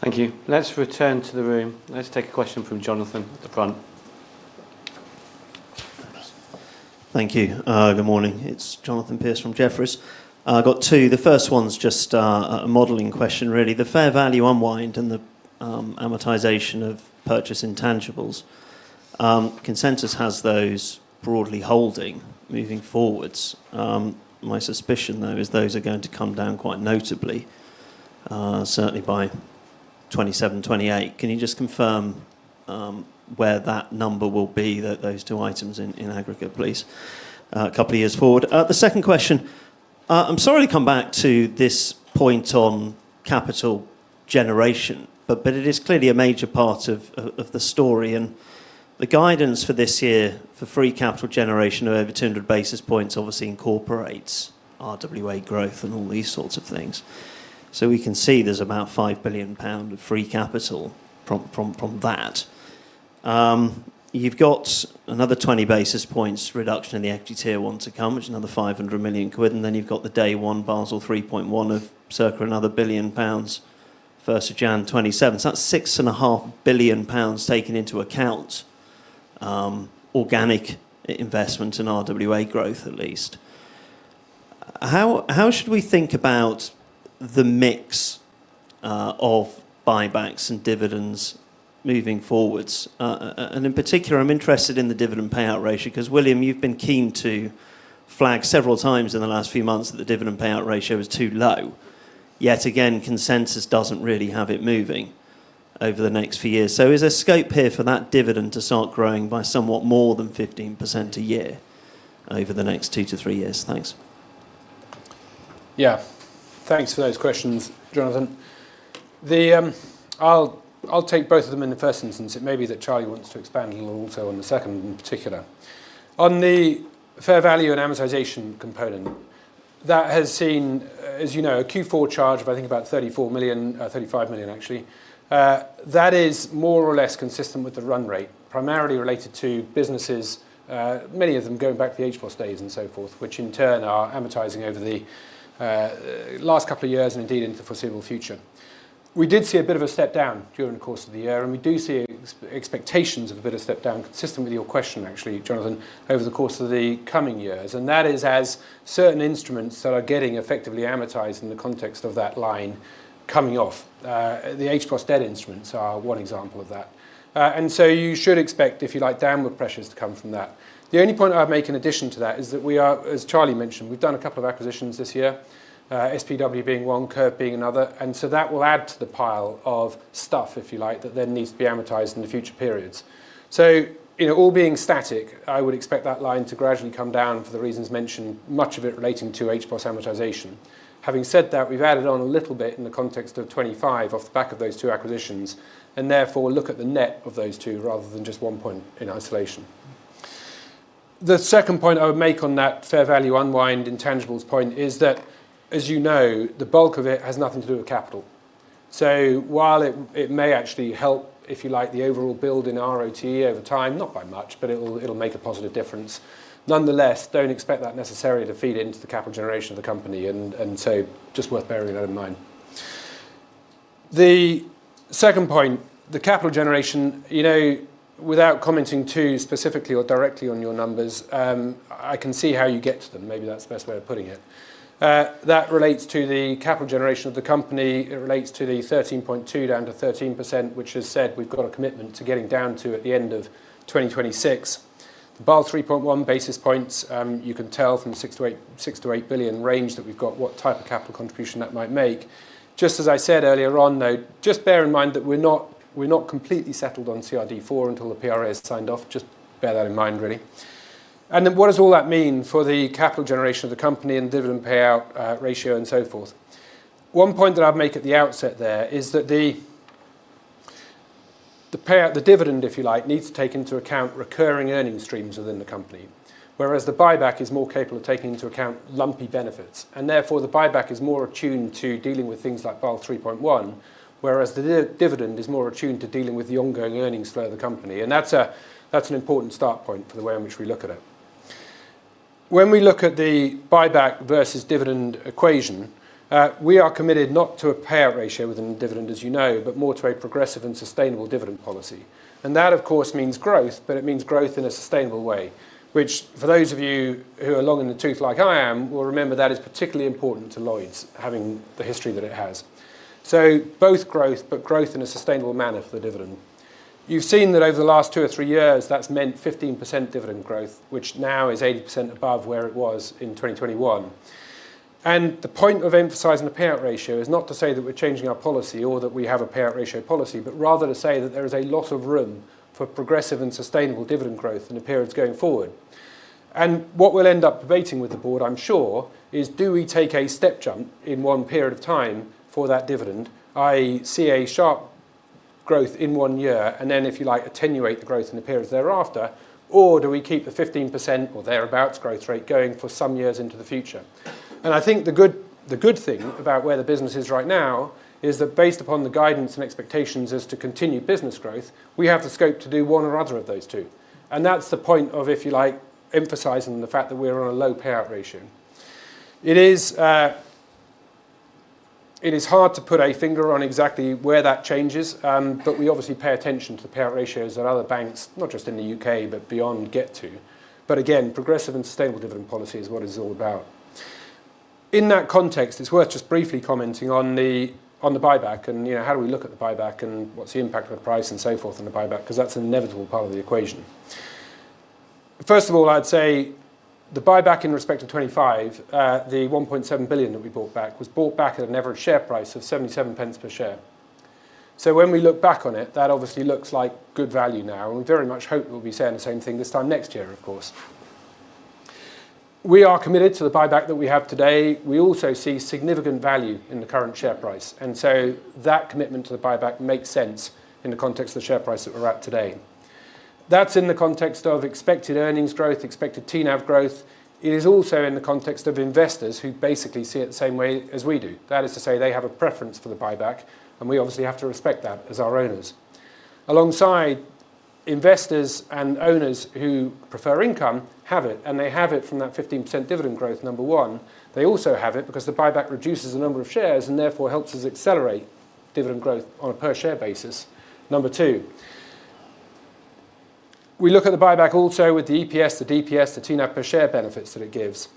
Speaker 3: Thank you. Let's return to the room. Let's take a question from Jonathan at the front.
Speaker 9: Thank you. Good morning. It's Jonathan Pierce from Jefferies. I've got two. The first one's just a modeling question, really. The fair value unwind and the amortization of purchase intangibles. Consensus has those broadly holding moving forwards. My suspicion, though, is those are going to come down quite notably, certainly by 2027, 2028. Can you just confirm where that number will be, those two items in aggregate, please, a couple of years forward? The second question, I'm sorry to come back to this point on capital generation, but it is clearly a major part of the story, and the guidance for this year for free capital generation of over 200 basis points obviously incorporates RWA growth and all these sorts of things. So we can see there's about 5 billion pound of free capital from that. You've got another 20 basis points reduction in the Equity Tier 1 to come, which is another 500 million quid, and then you've got the day one Basel 3.1 of circa another 1 billion pounds, first of January 2027. So that's 6.5 billion pounds taken into account, organic investment in RWA growth, at least. How should we think about the mix of buybacks and dividends moving forwards? And in particular, I'm interested in the dividend payout ratio, 'cause William, you've been keen to flag several times in the last few months, that the dividend payout ratio is too low. Yet again, consensus doesn't really have it moving over the next few years. Is there scope here for that dividend to start growing by somewhat more than 15% a year over the next 2-3 years? Thanks.
Speaker 2: Yeah. Thanks for those questions, Jonathan. The... I'll take both of them in the first instance. It may be that Charlie wants to expand a little also on the second, in particular. On the fair value and amortization component, that has seen, as you know, a Q4 charge of I think about 34 million, 35 million, actually. That is more or less consistent with the run rate, primarily related to businesses, many of them going back to the HBOS days and so forth, which in turn, are amortizing over the, last couple of years and indeed into the foreseeable future. We did see a bit of a step down during the course of the year, and we do see a- Expectations of a bit of step down, consistent with your question, actually, Jonathan, over the course of the coming years, and that is as certain instruments that are getting effectively amortized in the context of that line coming off. The HBOS debt instruments are one example of that. And so you should expect, if you like, downward pressures to come from that. The only point I'd make in addition to that is that we are, as Charlie mentioned, we've done a couple of acquisitions this year, SPW being one, Curve being another, and so that will add to the pile of stuff, if you like, that then needs to be amortized in the future periods. So, you know, all being static, I would expect that line to gradually come down for the reasons mentioned, much of it relating to HBOS amortization. Having said that, we've added on a little bit in the context of 25 off the back of those two acquisitions, and therefore, look at the net of those two rather than just one point in isolation. The second point I would make on that fair value unwind intangibles point is that, as you know, the bulk of it has nothing to do with capital. So while it, it may actually help, if you like, the overall build in RoTE over time, not by much, but it'll, it'll make a positive difference. Nonetheless, don't expect that necessarily to feed into the capital generation of the company, and, and so just worth bearing that in mind. The second point, the capital generation, you know, without commenting too specifically or directly on your numbers, I can see how you get to them. Maybe that's the best way of putting it. That relates to the capital generation of the company. It relates to the 13.2% down to 13%, which has said we've got a commitment to getting down to at the end of 2026. The Basel 3.1 basis points, you can tell from 6 billion-8 billion, 6 billion-8 billion range that we've got what type of capital contribution that might make. Just as I said earlier on, though, just bear in mind that we're not, we're not completely settled on CRD IV until the PRA is signed off. Just bear that in mind, really. And then what does all that mean for the capital generation of the company and dividend payout, ratio, and so forth? One point that I'd make at the outset there is that the payout, the dividend, if you like, needs to take into account recurring earning streams within the company, whereas the buyback is more capable of taking into account lumpy benefits, and therefore, the buyback is more attuned to dealing with things like Basel 3.1, whereas the dividend is more attuned to dealing with the ongoing earnings flow of the company. And that's that's an important start point for the way in which we look at it. When we look at the buyback versus dividend equation, we are committed not to a payout ratio within the dividend, as you know, but more to a progressive and sustainable dividend policy. That, of course, means growth, but it means growth in a sustainable way, which for those of you who are long in the tooth, like I am, will remember that is particularly important to Lloyds, having the history that it has. So both growth, but growth in a sustainable manner for the dividend. You've seen that over the last two or three years, that's meant 15% dividend growth, which now is 80% above where it was in 2021. The point of emphasizing the payout ratio is not to say that we're changing our policy or that we have a payout ratio policy, but rather to say that there is a lot of room for progressive and sustainable dividend growth in the periods going forward. And what we'll end up debating with the Board, I'm sure, is do we take a step jump in one period of time for that dividend? I see a sharp growth in one year, and then, if you like, attenuate the growth in the periods thereafter, or do we keep the 15% or thereabout growth rate going for some years into the future? And I think the good, the good thing about where the business is right now is that based upon the guidance and expectations as to continued business growth, we have the scope to do one or other of those two. And that's the point of, if you like, emphasizing the fact that we're on a low payout ratio. It is hard to put a finger on exactly where that changes, but we obviously pay attention to the payout ratios that other banks, not just in the U.K., but beyond get to. But again, progressive and sustainable dividend policy is what it's all about. In that context, it's worth just briefly commenting on the buyback and, you know, how do we look at the buyback and what's the impact of the price and so forth on the buyback, 'cause that's an inevitable part of the equation. First of all, I'd say the buyback in respect to 2025, the 1.7 billion that we bought back, was bought back at an average share price of 0.77 per share. So when we look back on it, that obviously looks like good value now, and we very much hope we'll be saying the same thing this time next year, of course. We are committed to the buyback that we have today. We also see significant value in the current share price, and so that commitment to the buyback makes sense in the context of the share price that we're at today. That's in the context of expected earnings growth, expected TNAV growth. It is also in the context of investors who basically see it the same way as we do. That is to say they have a preference for the buyback, and we obviously have to respect that as our owners. Alongside investors and owners who prefer income have it, and they have it from that 15% dividend growth, number one. They also have it because the buyback reduces the number of shares and therefore helps us accelerate dividend growth on a per share basis, number two. We look at the buyback also with the EPS, the DPS, the TNAV per share benefits that it gives.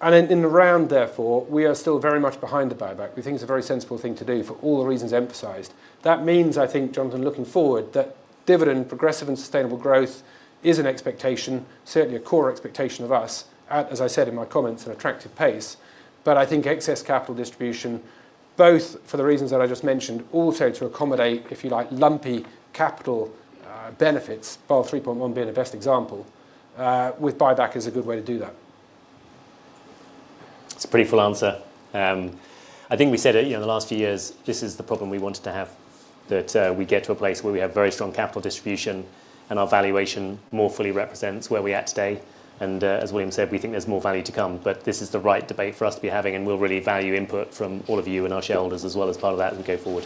Speaker 2: And in, in the round, therefore, we are still very much behind the buyback. We think it's a very sensible thing to do for all the reasons emphasized. That means, I think, Jonathan, looking forward, that dividend, progressive and sustainable growth is an expectation, certainly a core expectation of us, as, as I said in my comments, an attractive pace. But I think excess capital distribution, both for the reasons that I just mentioned, also to accommodate, if you like, lumpy capital, benefits, Basel 3.1 being the best example, with buyback is a good way to do that.
Speaker 1: It's a pretty full answer. I think we said it, you know, in the last few years, this is the problem we wanted to have, that, we get to a place where we have very strong capital distribution, and our valuation more fully represents where we're at today. And, as William said, we think there's more value to come, but this is the right debate for us to be having, and we'll really value input from all of you and our shareholders as well as part of that as we go forward...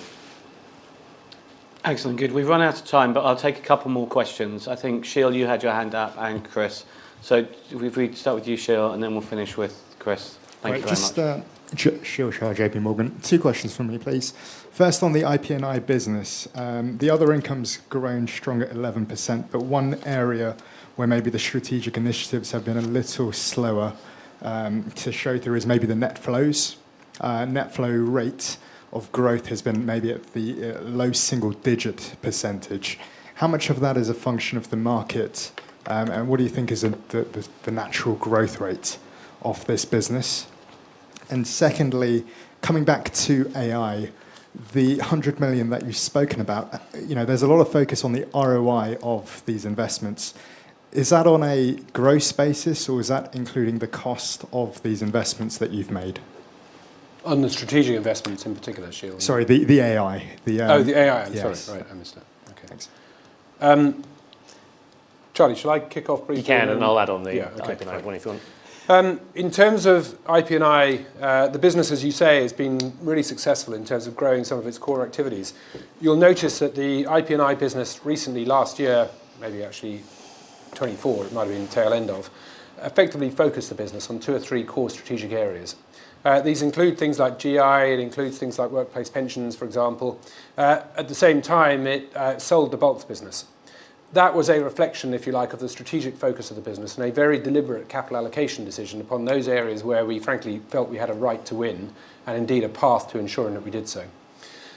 Speaker 1: Excellent, good. We've run out of time, but I'll take a couple more questions. I think, Shail, you had your hand up, and Chris. So if we start with you, Shail, and then we'll finish with Chris. Thank you very much.
Speaker 10: All right, just, Shail Shah, JPMorgan. Two questions from me, please. First, on the IP&I business, the other income's grown strong at 11%, but one area where maybe the strategic initiatives have been a little slower to show through is maybe the net flows. Net flow rate of growth has been maybe at the low single-digit %. How much of that is a function of the market, and what do you think is the natural growth rate of this business? And secondly, coming back to AI, the 100 million that you've spoken about, you know, there's a lot of focus on the ROI of these investments. Is that on a gross basis, or is that including the cost of these investments that you've made?
Speaker 2: On the strategic investments in particular, Shail?
Speaker 10: Sorry, the AI.
Speaker 2: Oh, the AI.
Speaker 10: Yes.
Speaker 2: I'm sorry. Right, I missed that. Okay, thanks. Charlie, shall I kick off briefly?
Speaker 1: You can, and I'll add on the IP&I one, if you want.
Speaker 2: In terms of IP&I, the business, as you say, has been really successful in terms of growing some of its core activities. You'll notice that the IP&I business recently, last year, maybe actually 2024, it might have been the tail end of, effectively focused the business on two or three core strategic areas. These include things like GI, it includes things like workplace pensions, for example. At the same time, it sold the bulk business. That was a reflection, if you like, of the strategic focus of the business and a very deliberate capital allocation decision upon those areas where we frankly felt we had a right to win and indeed a path to ensuring that we did so.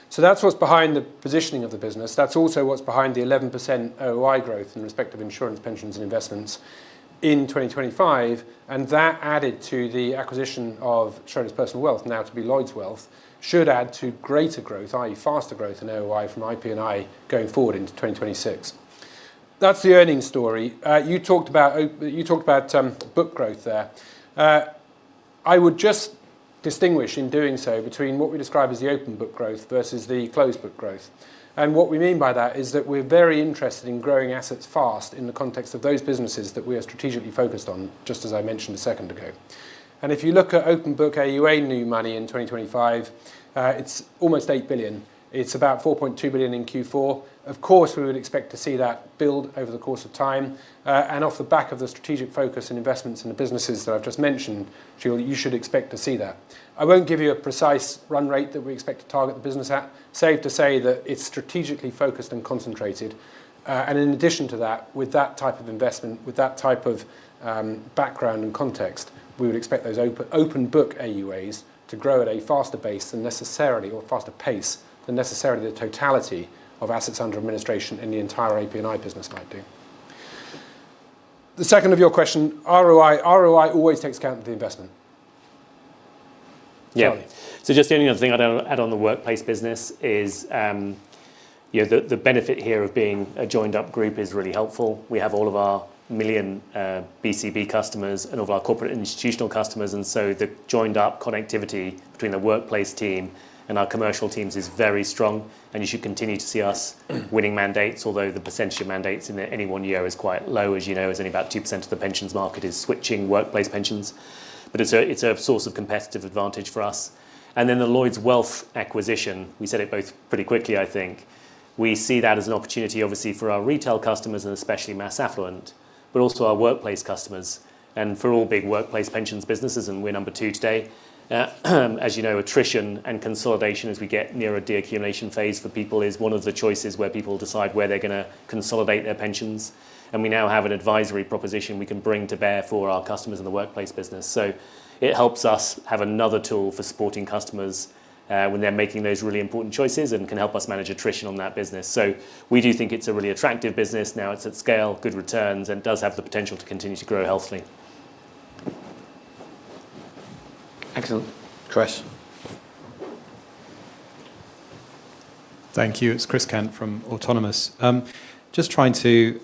Speaker 2: So that's what's behind the positioning of the business. That's also what's behind the 11% ROI growth in respect of Insurance, Pensions, and Investments in 2025, and that added to the acquisition of Schroders Personal Wealth, now to be Lloyds Wealth, should add to greater growth, i.e., faster growth in ROI from IP&I going forward into 2026. That's the earnings story. You talked about book growth there. I would just distinguish in doing so between what we describe as the open book growth versus the closed book growth. What we mean by that is that we're very interested in growing assets fast in the context of those businesses that we are strategically focused on, just as I mentioned a second ago. If you look at open book AUA new money in 2025, it's almost 8 billion. It's about 4.2 billion in Q4. Of course, we would expect to see that build over the course of time, and off the back of the strategic focus and investments in the businesses that I've just mentioned, Shail, you should expect to see that. I won't give you a precise run rate that we expect to target the business at, safe to say that it's strategically focused and concentrated. And in addition to that, with that type of investment, with that type of background and context, we would expect those open book AuAs to grow at a faster base than necessarily or faster pace than necessarily the totality of assets under administration in the entire IP&I business might do. The second of your question, ROI. ROI always takes account of the investment.
Speaker 1: Yeah.
Speaker 2: Charlie.
Speaker 1: So just the only other thing I'd add on the workplace business is, you know, the benefit here of being a joined-up Group is really helpful. We have all of our 1 million BCB customers and all of our corporate institutional customers, and so the joined-up connectivity between the workplace team and our commercial teams is very strong, and you should continue to see us winning mandates, although the percentage of mandates in any one year is quite low, as you know, as only about 2% of the pensions market is switching workplace pensions. But it's a source of competitive advantage for us. And then the Lloyds Wealth acquisition, we said it both pretty quickly, I think. We see that as an opportunity, obviously, for our retail customers and especially mass affluent, but also our workplace customers. And for all big workplace pensions businesses, and we're number two today, as you know, attrition and consolidation as we get nearer a decumulation phase for people is one of the choices where people decide where they're gonna consolidate their pensions, and we now have an advisory proposition we can bring to bear for our customers in the workplace business. So it helps us have another tool for supporting customers, when they're making those really important choices and can help us manage attrition on that business. So we do think it's a really attractive business. Now, it's at scale, good returns, and does have the potential to continue to grow healthily.
Speaker 10: Excellent.
Speaker 3: Chris?
Speaker 11: Thank you. It's Chris Cant from Autonomous. Just trying to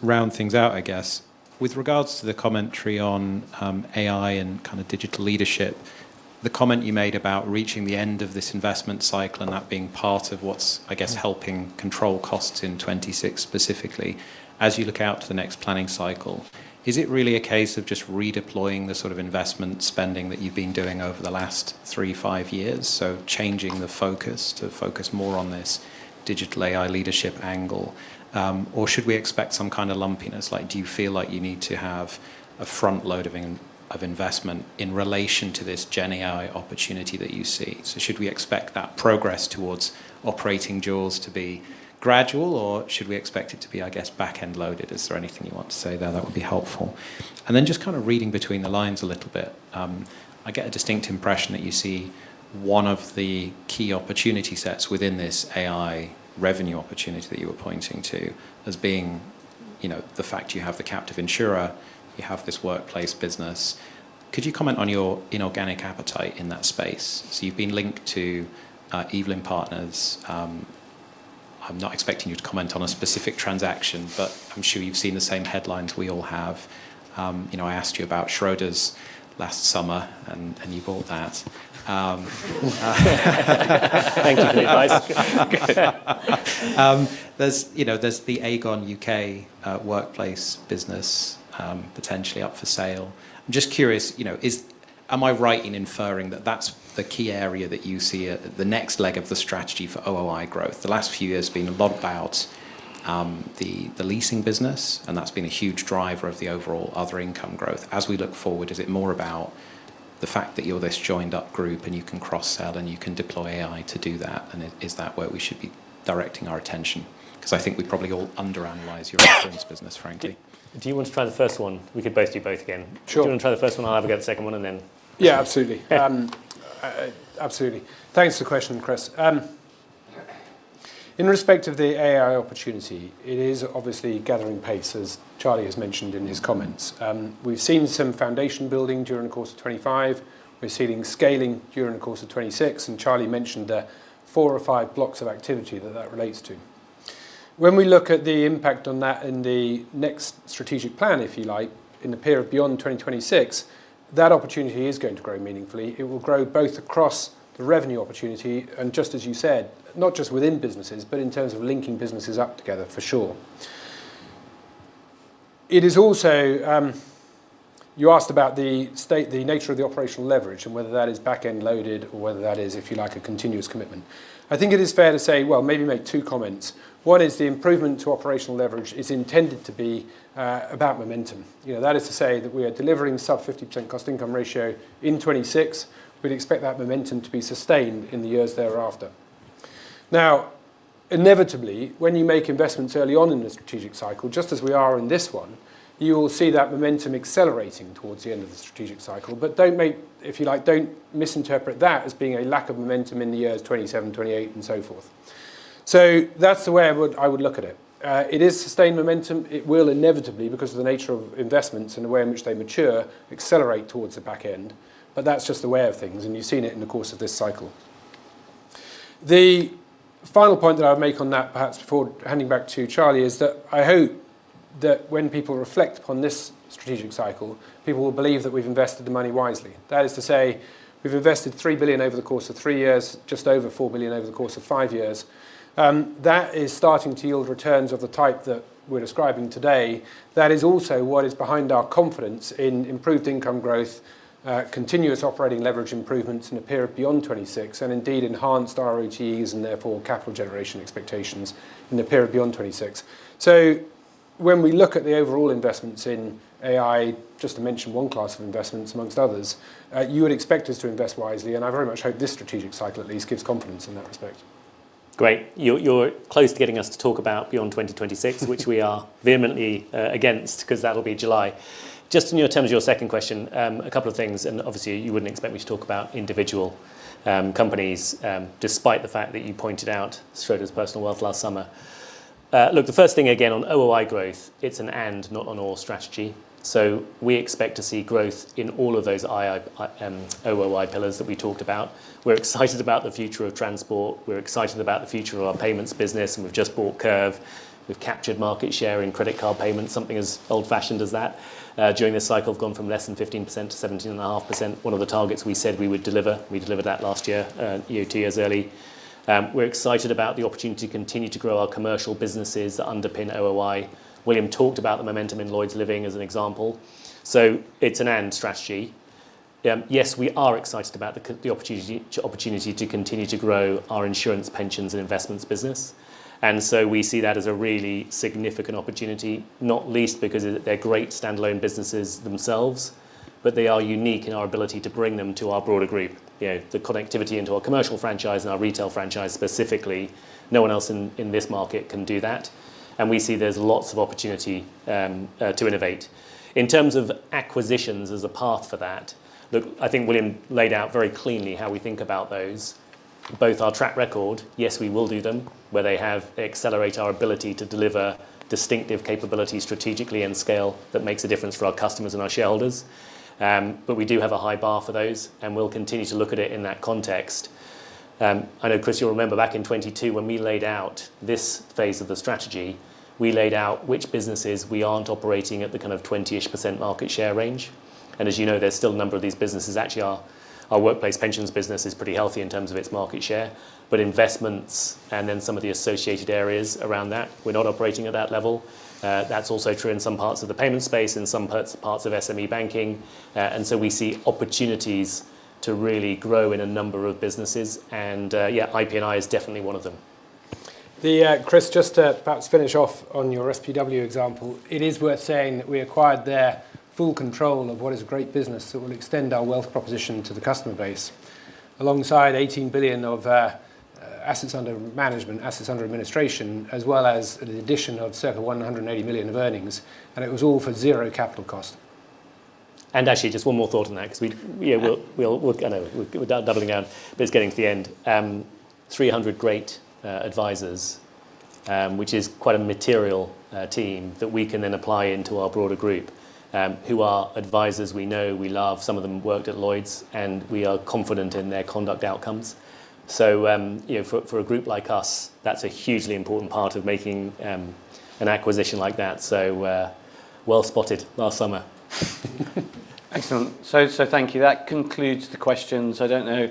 Speaker 11: round things out, I guess. With regards to the commentary on AI and kind of digital leadership, the comment you made about reaching the end of this investment cycle and that being part of what's, I guess, helping control costs in 2026 specifically, as you look out to the next planning cycle, is it really a case of just redeploying the sort of investment spending that you've been doing over the last three, five years? So changing the focus to focus more on this digital AI leadership angle, or should we expect some kind of lumpiness? Like, do you feel like you need to have a front load of investment in relation to this gen AI opportunity that you see? So should we expect that progress towards operating jaws to be gradual, or should we expect it to be, I guess, back-end loaded? Is there anything you want to say there that would be helpful? And then just kind of reading between the lines a little bit, I get a distinct impression that you see one of the key opportunity sets within this AI revenue opportunity that you were pointing to as being, you know, the fact you have the captive insurer, you have this workplace business. Could you comment on your inorganic appetite in that space? So you've been linked to Evelyn Partners. I'm not expecting you to comment on a specific transaction, but I'm sure you've seen the same headlines we all have. You know, I asked you about Schroders last summer, and you bought that.
Speaker 1: Thank you for the advice.
Speaker 11: There's, you know, there's the Aegon UK workplace business potentially up for sale. I'm just curious, you know, am I right in inferring that that's the key area that you see the next leg of the strategy for OOI growth? The last few years have been a lot about the leasing business, and that's been a huge driver of the overall other income growth. As we look forward, is it more about the fact that you're this joined-up Group and you can cross-sell and you can deploy AI to do that, and is that where we should be directing our attention? 'Cause I think we probably all underanalyze your insurance business, frankly.
Speaker 1: Do you want to try the first one? We could both do both again.
Speaker 2: Sure.
Speaker 1: Do you want to try the first one? I'll have a go at the second one, and then-
Speaker 2: Yeah, absolutely.
Speaker 1: Yeah.
Speaker 2: Absolutely. Thanks for the question, Chris. In respect of the AI opportunity, it is obviously gathering pace, as Charlie has mentioned in his comments. We've seen some foundation building during the course of 2025; we're seeing scaling during the course of 2026, and Charlie mentioned there are four or five blocks of activity that that relates to. When we look at the impact on that in the next strategic plan, if you like, in the period beyond 2026, that opportunity is going to grow meaningfully. It will grow both across the revenue opportunity and, just as you said, not just within businesses, but in terms of linking businesses up together, for sure. It is also. You asked about the nature of the operational leverage and whether that is back-end loaded or whether that is, if you like, a continuous commitment. I think it is fair to say, well, maybe make two comments. One is the improvement to operational leverage is intended to be about momentum. You know, that is to say that we are delivering sub 50% cost income ratio in 2026. We'd expect that momentum to be sustained in the years thereafter. Now, inevitably, when you make investments early on in the strategic cycle, just as we are in this one, you will see that momentum accelerating towards the end of the strategic cycle. But don't make, if you like, don't misinterpret that as being a lack of momentum in the years 2027, 2028, and so forth. So that's the way I would, I would look at it. It is sustained momentum. It will inevitably, because of the nature of investments and the way in which they mature, accelerate towards the back end, but that's just the way of things, and you've seen it in the course of this cycle. The final point that I would make on that, perhaps before handing back to Charlie, is that I hope that when people reflect on this strategic cycle, people will believe that we've invested the money wisely. That is to say, we've invested 3 billion over the course of 3 years, just over 4 billion over the course of 5 years. That is starting to yield returns of the type that we're describing today. That is also what is behind our confidence in improved income growth, continuous operating leverage improvements in the period beyond 2026, and indeed enhanced RoTEs, and therefore capital generation expectations in the period beyond 2026. When we look at the overall investments in AI, just to mention one class of investments among others, you would expect us to invest wisely, and I very much hope this strategic cycle at least gives confidence in that respect.
Speaker 1: Great. You're close to getting us to talk about beyond 2026, which we are vehemently against, 'cause that'll be July. Just in terms of your second question, a couple of things, and obviously, you wouldn't expect me to talk about individual companies, despite the fact that you pointed out Schroders Personal Wealth last summer. Look, the first thing again, on OOI growth, it's an "and" not an "or" strategy. So we expect to see growth in all of those OOI pillars that we talked about. We're excited about the future of transport. We're excited about the future of our payments business, and we've just bought Curve. We've captured market share in credit card payments, something as old-fashioned as that. During this cycle, have gone from less than 15% to 17.5%. One of the targets we said we would deliver, we delivered that last year, two years early. We're excited about the opportunity to continue to grow our commercial businesses that underpin OOI. William talked about the momentum in Lloyds Living as an example. So it's an "and" strategy. Yes, we are excited about the opportunity to continue to grow our Insurance, Pensions, and Investments business. And so we see that as a really significant opportunity, not least because they're great standalone businesses themselves, but they are unique in our ability to bring them to our broader Group. You know, the connectivity into our commercial franchise and our retail franchise specifically, no one else in this market can do that, and we see there's lots of opportunity to innovate. In terms of acquisitions as a path for that, look, I think William laid out very cleanly how we think about those. Both our track record, yes, we will do them where they accelerate our ability to deliver distinctive capability strategically and scale that makes a difference for our customers and our shareholders. But we do have a high bar for those, and we'll continue to look at it in that context. I know, Chris, you'll remember back in 2022, when we laid out this phase of the strategy, we laid out which businesses we aren't operating at the kind of 20%-ish market share range, and as you know, there's still a number of these businesses. Actually, our workplace pensions business is pretty healthy in terms of its market share, but investments and then some of the associated areas around that, we're not operating at that level. That's also true in some parts of the payment space and some parts of SME banking. And so we see opportunities to really grow in a number of businesses, and yeah, IP&I is definitely one of them.
Speaker 2: Chris, just to perhaps finish off on your SPW example, it is worth saying that we acquired their full control of what is a great business that will extend our wealth proposition to the customer base. Alongside 18 billion of assets under management, assets under administration, as well as the addition of circa 180 million of earnings, and it was all for zero capital cost.
Speaker 1: Actually, just one more thought on that, 'cause we, yeah, we'll, we're doubling down, but it's getting to the end. 300 great advisors, which is quite a material team that we can then apply into our broader Group, who are advisors we know, we love. Some of them worked at Lloyds, and we are confident in their conduct outcomes. So, you know, for a Group like us, that's a hugely important part of making an acquisition like that. So, well spotted last summer.
Speaker 3: Excellent. So, so thank you. That concludes the questions. I don't know,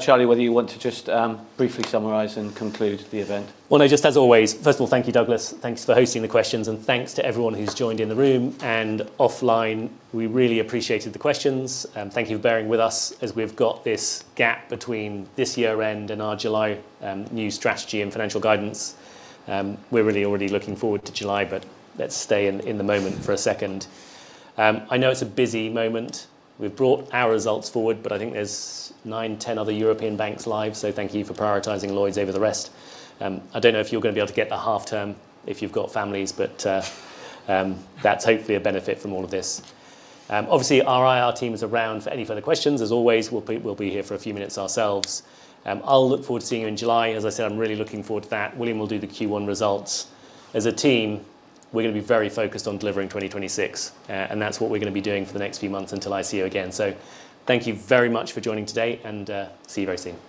Speaker 3: Charlie, whether you want to just, briefly summarize and conclude the event.
Speaker 1: Well, no, just as always, first of all, thank you, Douglas. Thanks for hosting the questions, and thanks to everyone who's joined in the room and offline. We really appreciated the questions. Thank you for bearing with us as we've got this gap between this year-end and our July new strategy and financial guidance. We're really already looking forward to July, but let's stay in the moment for a second. I know it's a busy moment. We've brought our results forward, but I think there's 9, 10 other European banks live, so thank you for prioritizing Lloyds over the rest. I don't know if you're going to be able to get the half term if you've got families, but that's hopefully a benefit from all of this. Obviously, our IR team is around for any further questions. As always, we'll be here for a few minutes ourselves. I'll look forward to seeing you in July. As I said, I'm really looking forward to that. William will do the Q1 results. As a team, we're going to be very focused on delivering 2026, and that's what we're going to be doing for the next few months until I see you again. So thank you very much for joining today, and see you very soon.